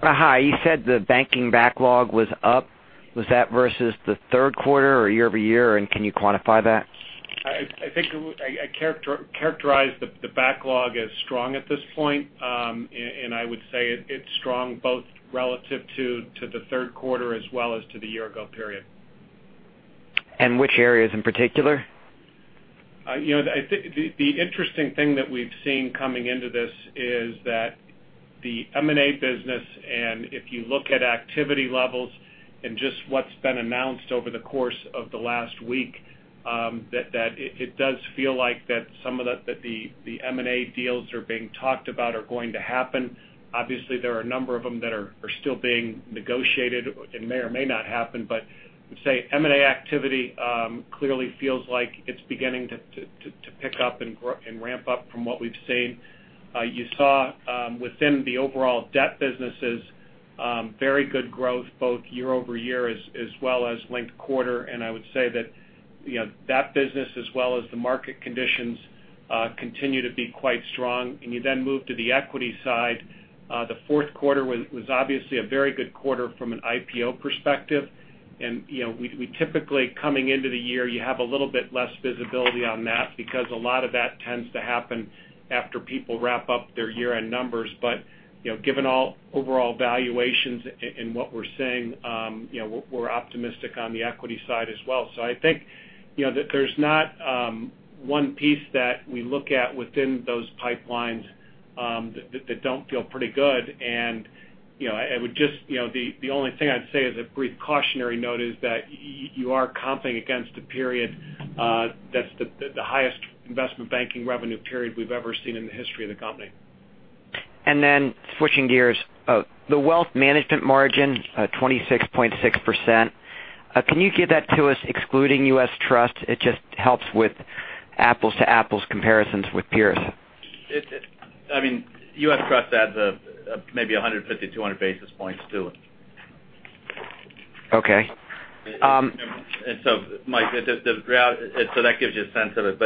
Hi. You said the banking backlog was up. Was that versus the third quarter or year-over-year, and can you quantify that? I think I characterize the backlog as strong at this point, and I would say it's strong both relative to the third quarter as well as to the year-ago period. Which areas in particular? I think the interesting thing that we've seen coming into this is that the M&A business, and if you look at activity levels and just what's been announced over the course of the last week, that it does feel like that some of the M&A deals that are being talked about are going to happen. Obviously, there are a number of them that are still being negotiated and may or may not happen, but I would say M&A activity clearly feels like it's beginning to pick up and ramp up from what we've seen. You saw within the overall debt businesses very good growth both year-over-year as well as linked quarter, and I would say that that business as well as the market conditions continue to be quite strong. You then move to the equity side. The fourth quarter was obviously a very good quarter from an IPO perspective. We typically, coming into the year, you have a little bit less visibility on that because a lot of that tends to happen after people wrap up their year-end numbers. Given all overall valuations and what we're seeing, we're optimistic on the equity side as well. I think that there's not one piece that we look at within those pipelines that don't feel pretty good. The only thing I'd say as a brief cautionary note is that you are comping against a period that's the highest investment banking revenue period we've ever seen in the history of the company. Switching gears. The wealth management margin, 26.6%. Can you give that to us excluding U.S. Trust? It just helps with apples to apples comparisons with peers. U.S. Trust adds maybe 150 to 200 basis points to it. Okay. Mike, that gives you a sense of it.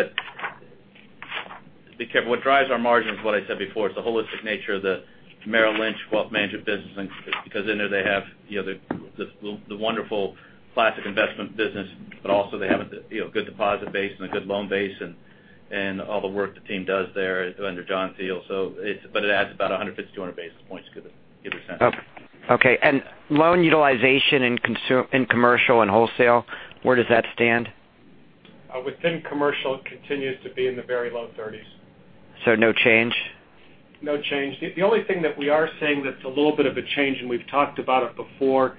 Be careful. What drives our margins, what I said before, it's the holistic nature of the Merrill Lynch wealth management business. Because in there they have the wonderful classic investment business, also they have a good deposit base and a good loan base and all the work the team does there under John Thiel. It adds about 150 to 200 basis points to give you a sense. Okay. Loan utilization in commercial and wholesale, where does that stand? Within commercial, it continues to be in the very low 30s. No change? No change. The only thing that we are seeing that's a little bit of a change, and we've talked about it before,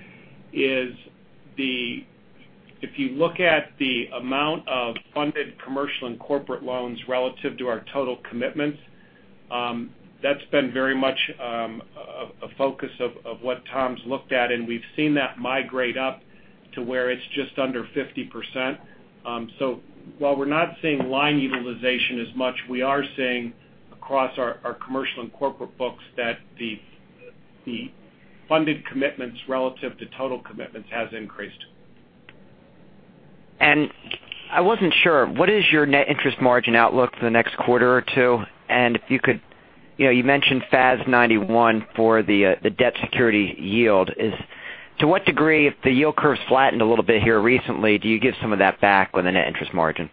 is if you look at the amount of funded commercial and corporate loans relative to our total commitments, that's been very much a focus of what Tom's looked at, and we've seen that migrate up to where it's just under 50%. While we're not seeing line utilization as much, we are seeing across our commercial and corporate books that the funded commitments relative to total commitments has increased. I wasn't sure, what is your net interest margin outlook for the next quarter or two? You mentioned FAS 91 for the debt security yield. To what degree, if the yield curve's flattened a little bit here recently, do you give some of that back on the net interest margin?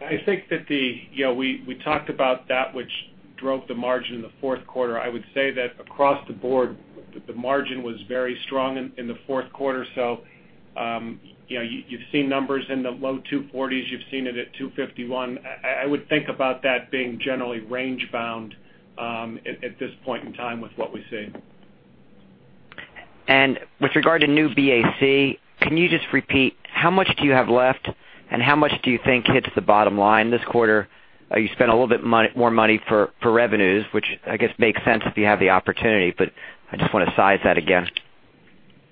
We talked about that which drove the margin in the fourth quarter. I would say that across the board, the margin was very strong in the fourth quarter. You've seen numbers in the low 240s. You've seen it at 251. I would think about that being generally range-bound at this point in time with what we see. With regard to New BAC, can you just repeat how much do you have left and how much do you think hits the bottom line this quarter? You spent a little bit more money for revenues, which I guess makes sense if you have the opportunity, but I just want to size that again.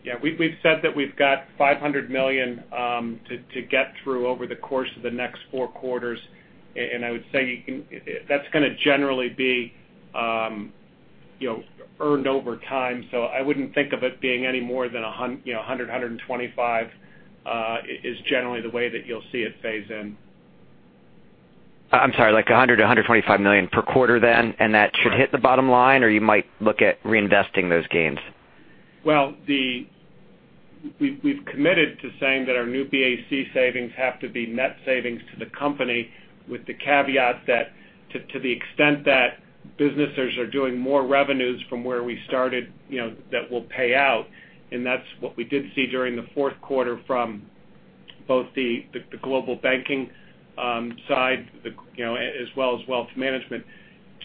Yeah. We've said that we've got $500 million to get through over the course of the next four quarters, and I would say that's going to generally be earned over time. I wouldn't think of it being any more than 100, 125 is generally the way that you'll see it phase in. I'm sorry, like $100 million-$125 million per quarter then, and that should hit the bottom line, or you might look at reinvesting those gains? Well, we've committed to saying that our New BAC savings have to be net savings to the company with the caveat that to the extent that businesses are doing more revenues from where we started, that will pay out. That's what we did see during the fourth quarter from both the global banking side as well as wealth management.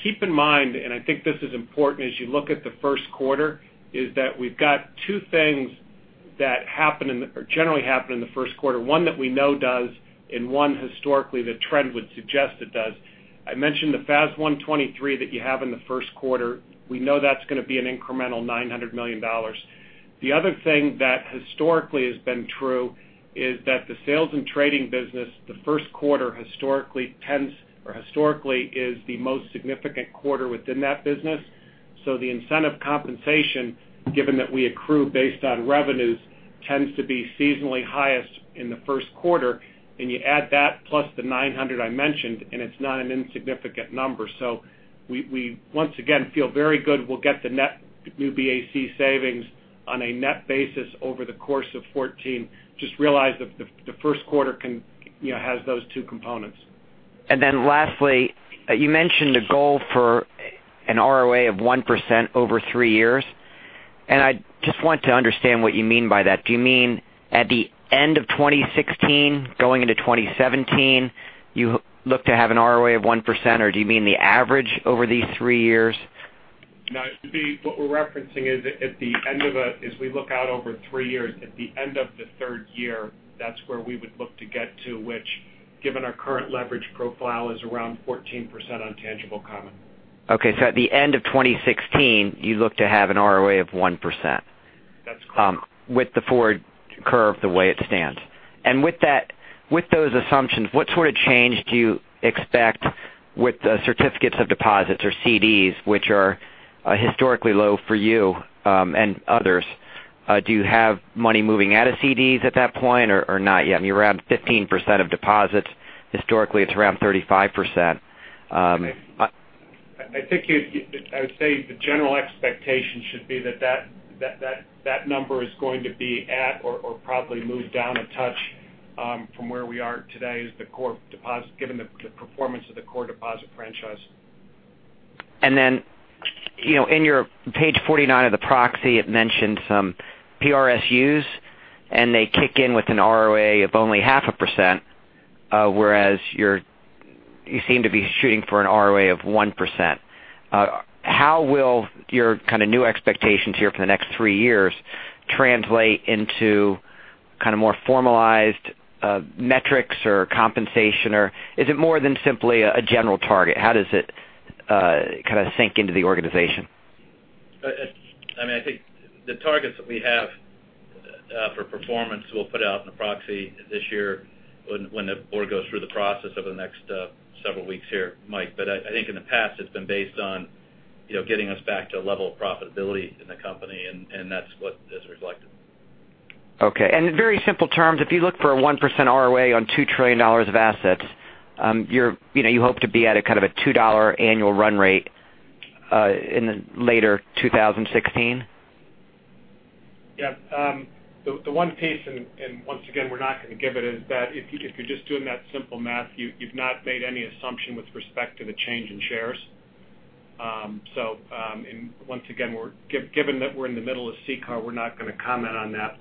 Keep in mind, and I think this is important as you look at the first quarter, is that we've got two things that generally happen in the first quarter. One that we know does, and one historically the trend would suggest it does. I mentioned the FAS 123 that you have in the first quarter. We know that's going to be an incremental $900 million. The other thing that historically has been true is that the sales and trading business, the first quarter historically is the most significant quarter within that business. The incentive compensation, given that we accrue based on revenues, tends to be seasonally highest in the first quarter. You add that plus the 900 I mentioned, and it's not an insignificant number. We once again feel very good we'll get the net New BAC savings on a net basis over the course of 2014. Just realize that the first quarter has those two components. Lastly, you mentioned a goal for an ROA of 1% over three years, and I just want to understand what you mean by that. Do you mean at the end of 2016, going into 2017, you look to have an ROA of 1% or do you mean the average over these three years? No. What we're referencing is as we look out over three years, at the end of the third year, that's where we would look to get to which, given our current leverage profile, is around 14% on tangible common. Okay. At the end of 2016, you look to have an ROA of 1%? That's correct. With the forward curve the way it stands. With those assumptions, what sort of change do you expect With certificates of deposits or CDs, which are historically low for you and others, do you have money moving out of CDs at that point or not yet? You're around 15% of deposits. Historically, it's around 35%. I would say the general expectation should be that number is going to be at or probably move down a touch from where we are today, given the performance of the core deposit franchise. Then, in your page 49 of the proxy, it mentioned some PRSU and they kick in with an ROA of only half a percent, whereas you seem to be shooting for an ROA of 1%. How will your new expectations here for the next three years translate into more formalized metrics or compensation? Is it more than simply a general target? How does it sink into the organization? I think the targets that we have for performance, we'll put out in the proxy this year when the board goes through the process over the next several weeks here, Mike. I think in the past, it's been based on getting us back to a level of profitability in the company, and that's what is reflected. Okay. In very simple terms, if you look for a 1% ROA on $2 trillion of assets, you hope to be at a $2 annual run rate in later 2016? Yeah. The one piece, and once again, we're not going to give it, is that if you're just doing that simple math, you've not made any assumption with respect to the change in shares. And once again, given that we're in the middle of CCAR, we're not going to comment on that.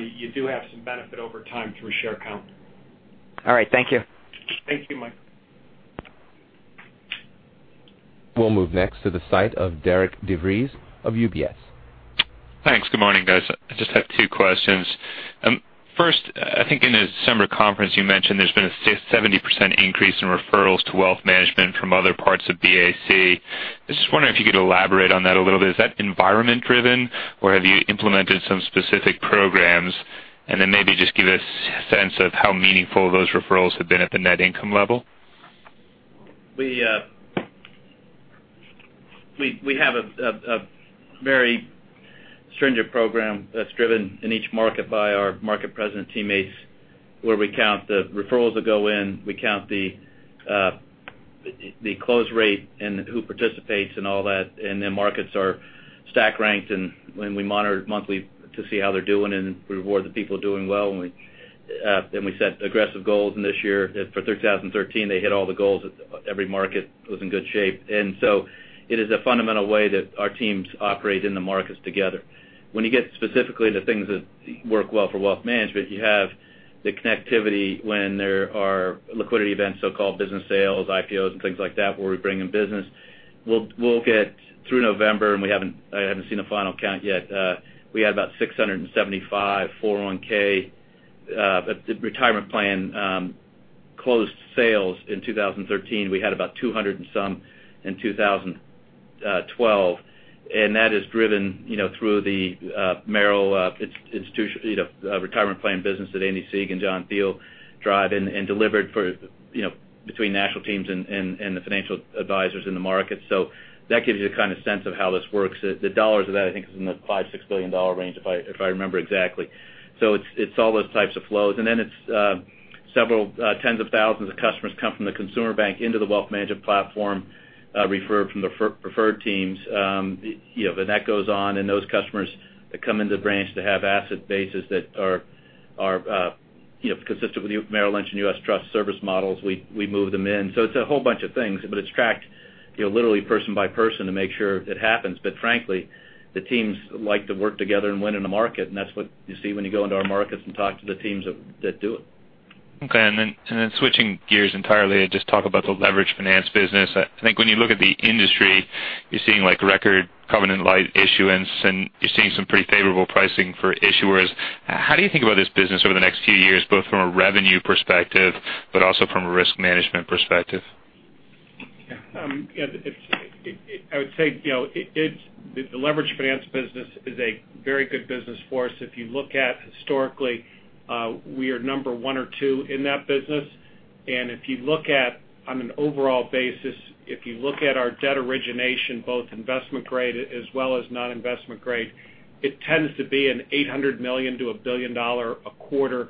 You do have some benefit over time through share count. All right. Thank you. Thank you, Mike. We'll move next to the site of Derek De Vries of UBS. Thanks. Good morning, guys. I just have two questions. First, I think in the December conference, you mentioned there has been a 70% increase in referrals to Wealth Management from other parts of BAC. I was just wondering if you could elaborate on that a little bit. Is that environment driven, or have you implemented some specific programs? Maybe just give a sense of how meaningful those referrals have been at the net income level. We have a very stringent program that is driven in each market by our market president teammates, where we count the referrals that go in, we count the close rate and who participates in all that, markets are stack ranked, and we monitor monthly to see how they are doing, and we reward the people doing well. We set aggressive goals, and this year, for 2013, they hit all the goals. Every market was in good shape. It is a fundamental way that our teams operate in the markets together. When you get specifically to things that work well for Wealth Management, you have the connectivity when there are liquidity events, so-called business sales, IPOs and things like that, where we bring in business. We will get through November, and I have not seen a final count yet. We had about 675 401 retirement plan closed sales in 2013. We had about 200 and some in 2012. That is driven through the Merrill retirement plan business that Andy Sieg and John Thiel drive and delivered between national teams and the financial advisors in the market. That gives you a kind of sense of how this works. The dollars of that, I think, is in the $5 billion-$6 billion range, if I remember exactly. It is all those types of flows. It is several tens of thousands of customers come from the consumer bank into the Wealth Management platform, referred from the preferred teams. That goes on, and those customers that come into the branch that have asset bases that are consistent with Merrill Lynch and U.S. Trust service models, we move them in. It is a whole bunch of things, but it is tracked literally person by person to make sure it happens. Frankly, the teams like to work together and win in the market, and that is what you see when you go into our markets and talk to the teams that do it. Switching gears entirely, I'll just talk about the leveraged finance business. I think when you look at the industry, you're seeing record covenant-lite issuance, and you're seeing some pretty favorable pricing for issuers. How do you think about this business over the next few years, both from a revenue perspective, but also from a risk management perspective? I would say, the leverage finance business is a very good business for us. If you look at historically, we are number 1 or 2 in that business. If you look at, on an overall basis, if you look at our debt origination, both investment grade as well as non-investment grade, it tends to be an $800 million to a $1 billion a quarter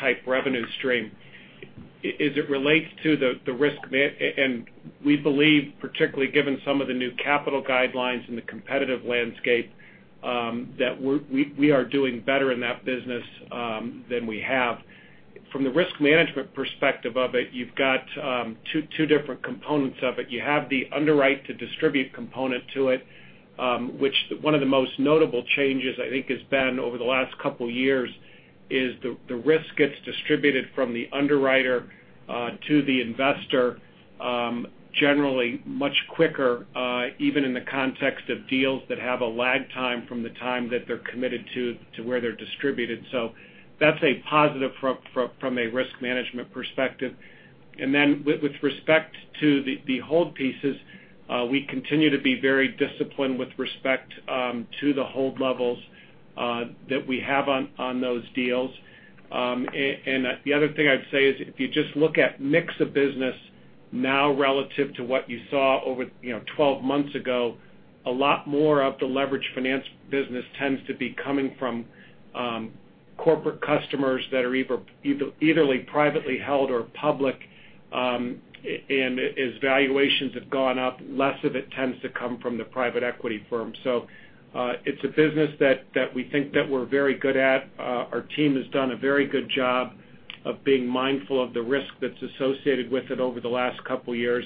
type revenue stream. As it relates to the risk, we believe, particularly given some of the new capital guidelines and the competitive landscape, that we are doing better in that business than we have. From the risk management perspective of it, you've got two different components of it. You have the underwrite to distribute component to it, which one of the most notable changes I think has been over the last couple of years is the risk gets distributed from the underwriter to the investor generally much quicker, even in the context of deals that have a lag time from the time that they're committed to where they're distributed. That's a positive from a risk management perspective. With respect to the hold pieces, we continue to be very disciplined with respect to the hold levels that we have on those deals. The other thing I'd say is if you just look at mix of business now relative to what you saw over 12 months ago, a lot more of the leverage finance business tends to be coming from corporate customers that are either privately held or public. As valuations have gone up, less of it tends to come from the private equity firm. It's a business that we think that we're very good at. Our team has done a very good job of being mindful of the risk that's associated with it over the last couple of years.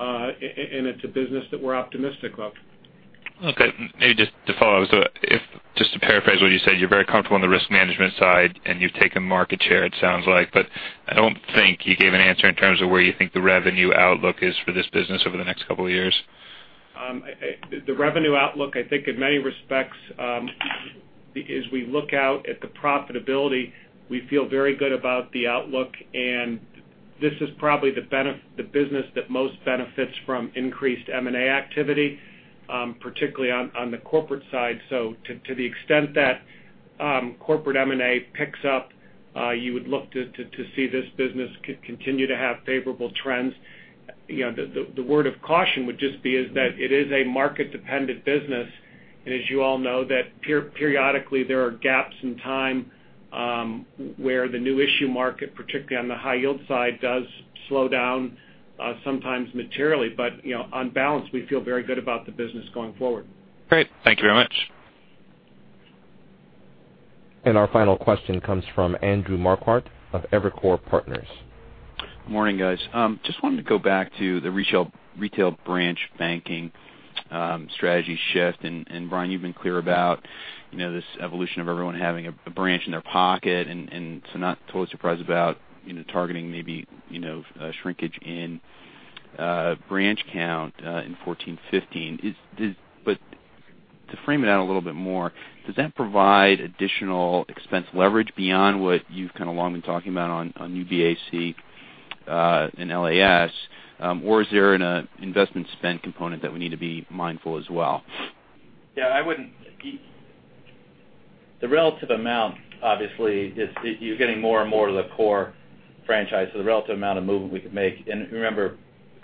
It's a business that we're optimistic of. Maybe just to follow. Just to paraphrase what you said, you're very comfortable on the risk management side and you've taken market share it sounds like, I don't think you gave an answer in terms of where you think the revenue outlook is for this business over the next couple of years. The revenue outlook, I think in many respects, as we look out at the profitability, we feel very good about the outlook, this is probably the business that most benefits from increased M&A activity, particularly on the corporate side. To the extent that corporate M&A picks up, you would look to see this business continue to have favorable trends. The word of caution would just be is that it is a market-dependent business, as you all know, that periodically there are gaps in time, where the new issue market, particularly on the high yield side, does slow down, sometimes materially. On balance, we feel very good about the business going forward. Great. Thank you very much. Our final question comes from Andrew Marquardt of Evercore Partners. Good morning, guys. Just wanted to go back to the retail branch banking strategy shift. Brian, you've been clear about this evolution of everyone having a branch in their pocket, not totally surprised about targeting maybe a shrinkage in branch count in 2014, 2015. To frame it out a little bit more, does that provide additional expense leverage beyond what you've kind of long been talking about on New BAC in LAS, or is there an investment spend component that we need to be mindful as well? Yeah. The relative amount, obviously, is you're getting more and more to the core franchise. The relative amount of movement we could make. Remember,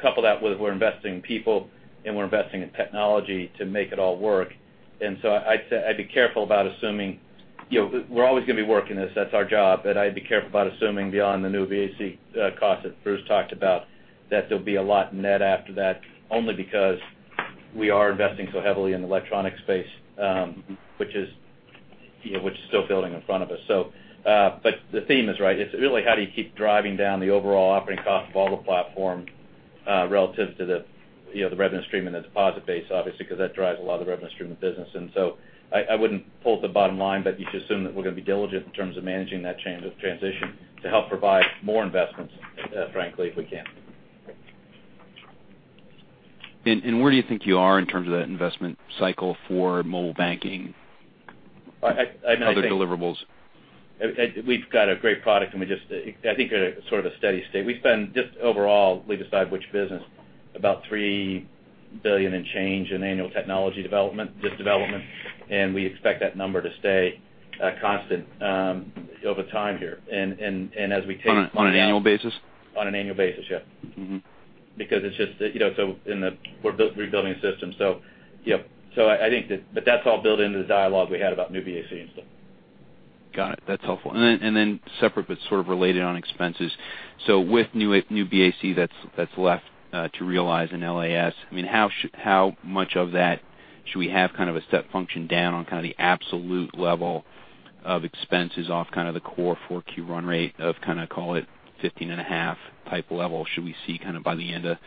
couple that with we're investing in people and we're investing in technology to make it all work. I'd be careful about assuming we're always going to be working this, that's our job. I'd be careful about assuming beyond the New BAC cost that Bruce talked about, that there'll be a lot net after that, only because we are investing so heavily in the electronic space which is still building in front of us. The theme is right. It's really how do you keep driving down the overall operating cost of all the platform relative to the revenue stream and the deposit base, obviously, because that drives a lot of the revenue stream of business. I wouldn't pull at the bottom line, you should assume that we're going to be diligent in terms of managing that transition to help provide more investments, frankly, if we can. Where do you think you are in terms of that investment cycle for mobile banking? I think- Other deliverables. We've got a great product and I think they're at a sort of a steady state. We spend just overall, we decide which business, about $3 billion in change in annual technology development, just development, and we expect that number to stay constant over time here. On an annual basis? On an annual basis, yeah. We're rebuilding the system. That's all built into the dialogue we had about new BAC and stuff. Got it. That's helpful. Separate but sort of related on expenses. With new BAC that's left to realize in LAS, how much of that should we have kind of a step function down on kind of the absolute level of expenses off kind of the core 4Q run rate of kind of call it 15.5 type level? Should we see kind of by the end of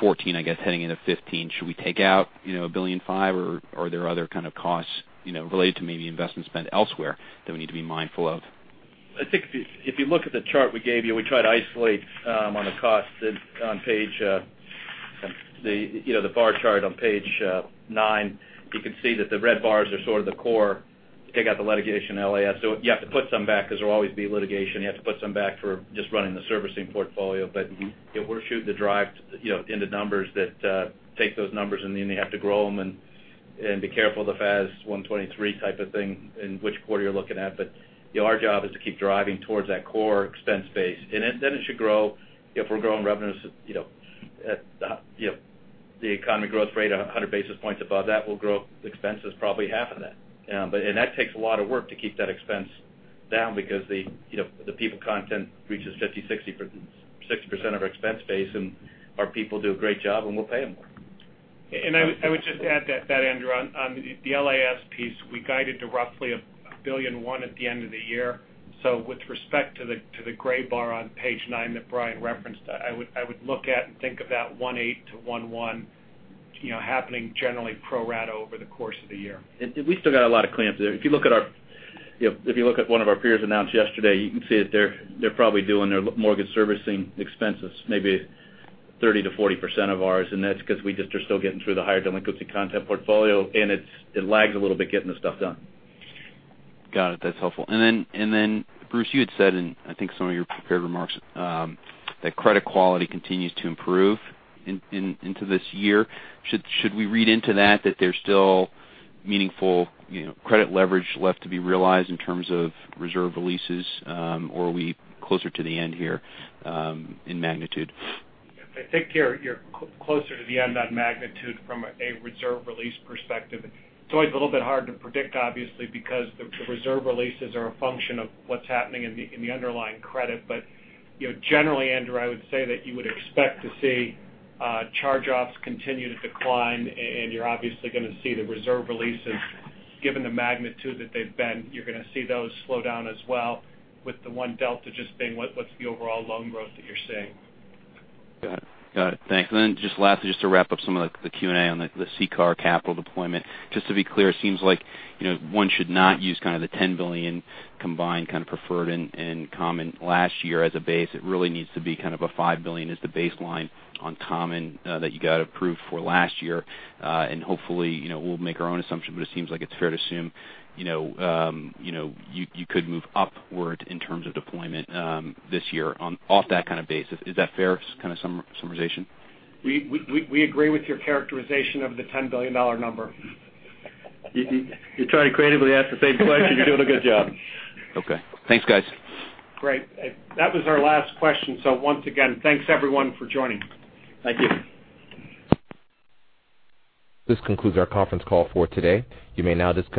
2014, I guess heading into 2015, should we take out $1.5 billion, or are there other kind of costs related to maybe investment spend elsewhere that we need to be mindful of? I think if you look at the chart we gave you, we try to isolate on the cost on the bar chart on page nine, you can see that the red bars are sort of the core. Take out the litigation LAS. You have to put some back because there'll always be litigation. You have to put some back for just running the servicing portfolio. If we're shooting to drive in the numbers that take those numbers and then you have to grow them and be careful of the FAS 123 type of thing and which quarter you're looking at. Our job is to keep driving towards that core expense base. It should grow. If we're growing revenues at the economy growth rate, 100 basis points above that, we'll grow expenses probably half of that. That takes a lot of work to keep that expense down because the people content reaches 50%-60% of our expense base, and our people do a great job, and we'll pay them more. I would just add that, Andrew, on the LAS piece, we guided to roughly $1.1 billion at the end of the year. With respect to the gray bar on page nine that Brian referenced, I would look at and think of that $1.8 billion-$1.1 billion happening generally pro rata over the course of the year. We still got a lot of claims there. If you look at one of our peers announced yesterday, you can see that they're probably doing their mortgage servicing expenses, maybe 30%-40% of ours, and that's because we just are still getting through the higher delinquency content portfolio, and it lags a little bit getting the stuff done. Got it. That's helpful. Then Bruce, you had said in, I think some of your prepared remarks, that credit quality continues to improve into this year. Should we read into that there's still meaningful credit leverage left to be realized in terms of reserve releases? Or are we closer to the end here, in magnitude? I think you're closer to the end on magnitude from a reserve release perspective. It's always a little bit hard to predict, obviously, because the reserve releases are a function of what's happening in the underlying credit. Generally, Andrew, I would say that you would expect to see charge-offs continue to decline, and you're obviously going to see the reserve releases. Given the magnitude that they've been, you're going to see those slow down as well. With the one delta just being what's the overall loan growth that you're seeing. Got it. Thanks. Then just lastly, just to wrap up some of the Q&A on the CCAR capital deployment. Just to be clear, it seems like one should not use kind of the $10 billion combined kind of preferred and common last year as a base. It really needs to be kind of a $5 billion as the baseline on common that you got approved for last year. Hopefully, we'll make our own assumption, but it seems like it's fair to assume you could move upward in terms of deployment this year off that kind of basis. Is that fair kind of summarization? We agree with your characterization of the $10 billion number. You're trying to creatively ask the same question. You're doing a good job. Okay. Thanks, guys. Great. That was our last question. Once again, thanks everyone for joining. Thank you. This concludes our conference call for today. You may now disconnect.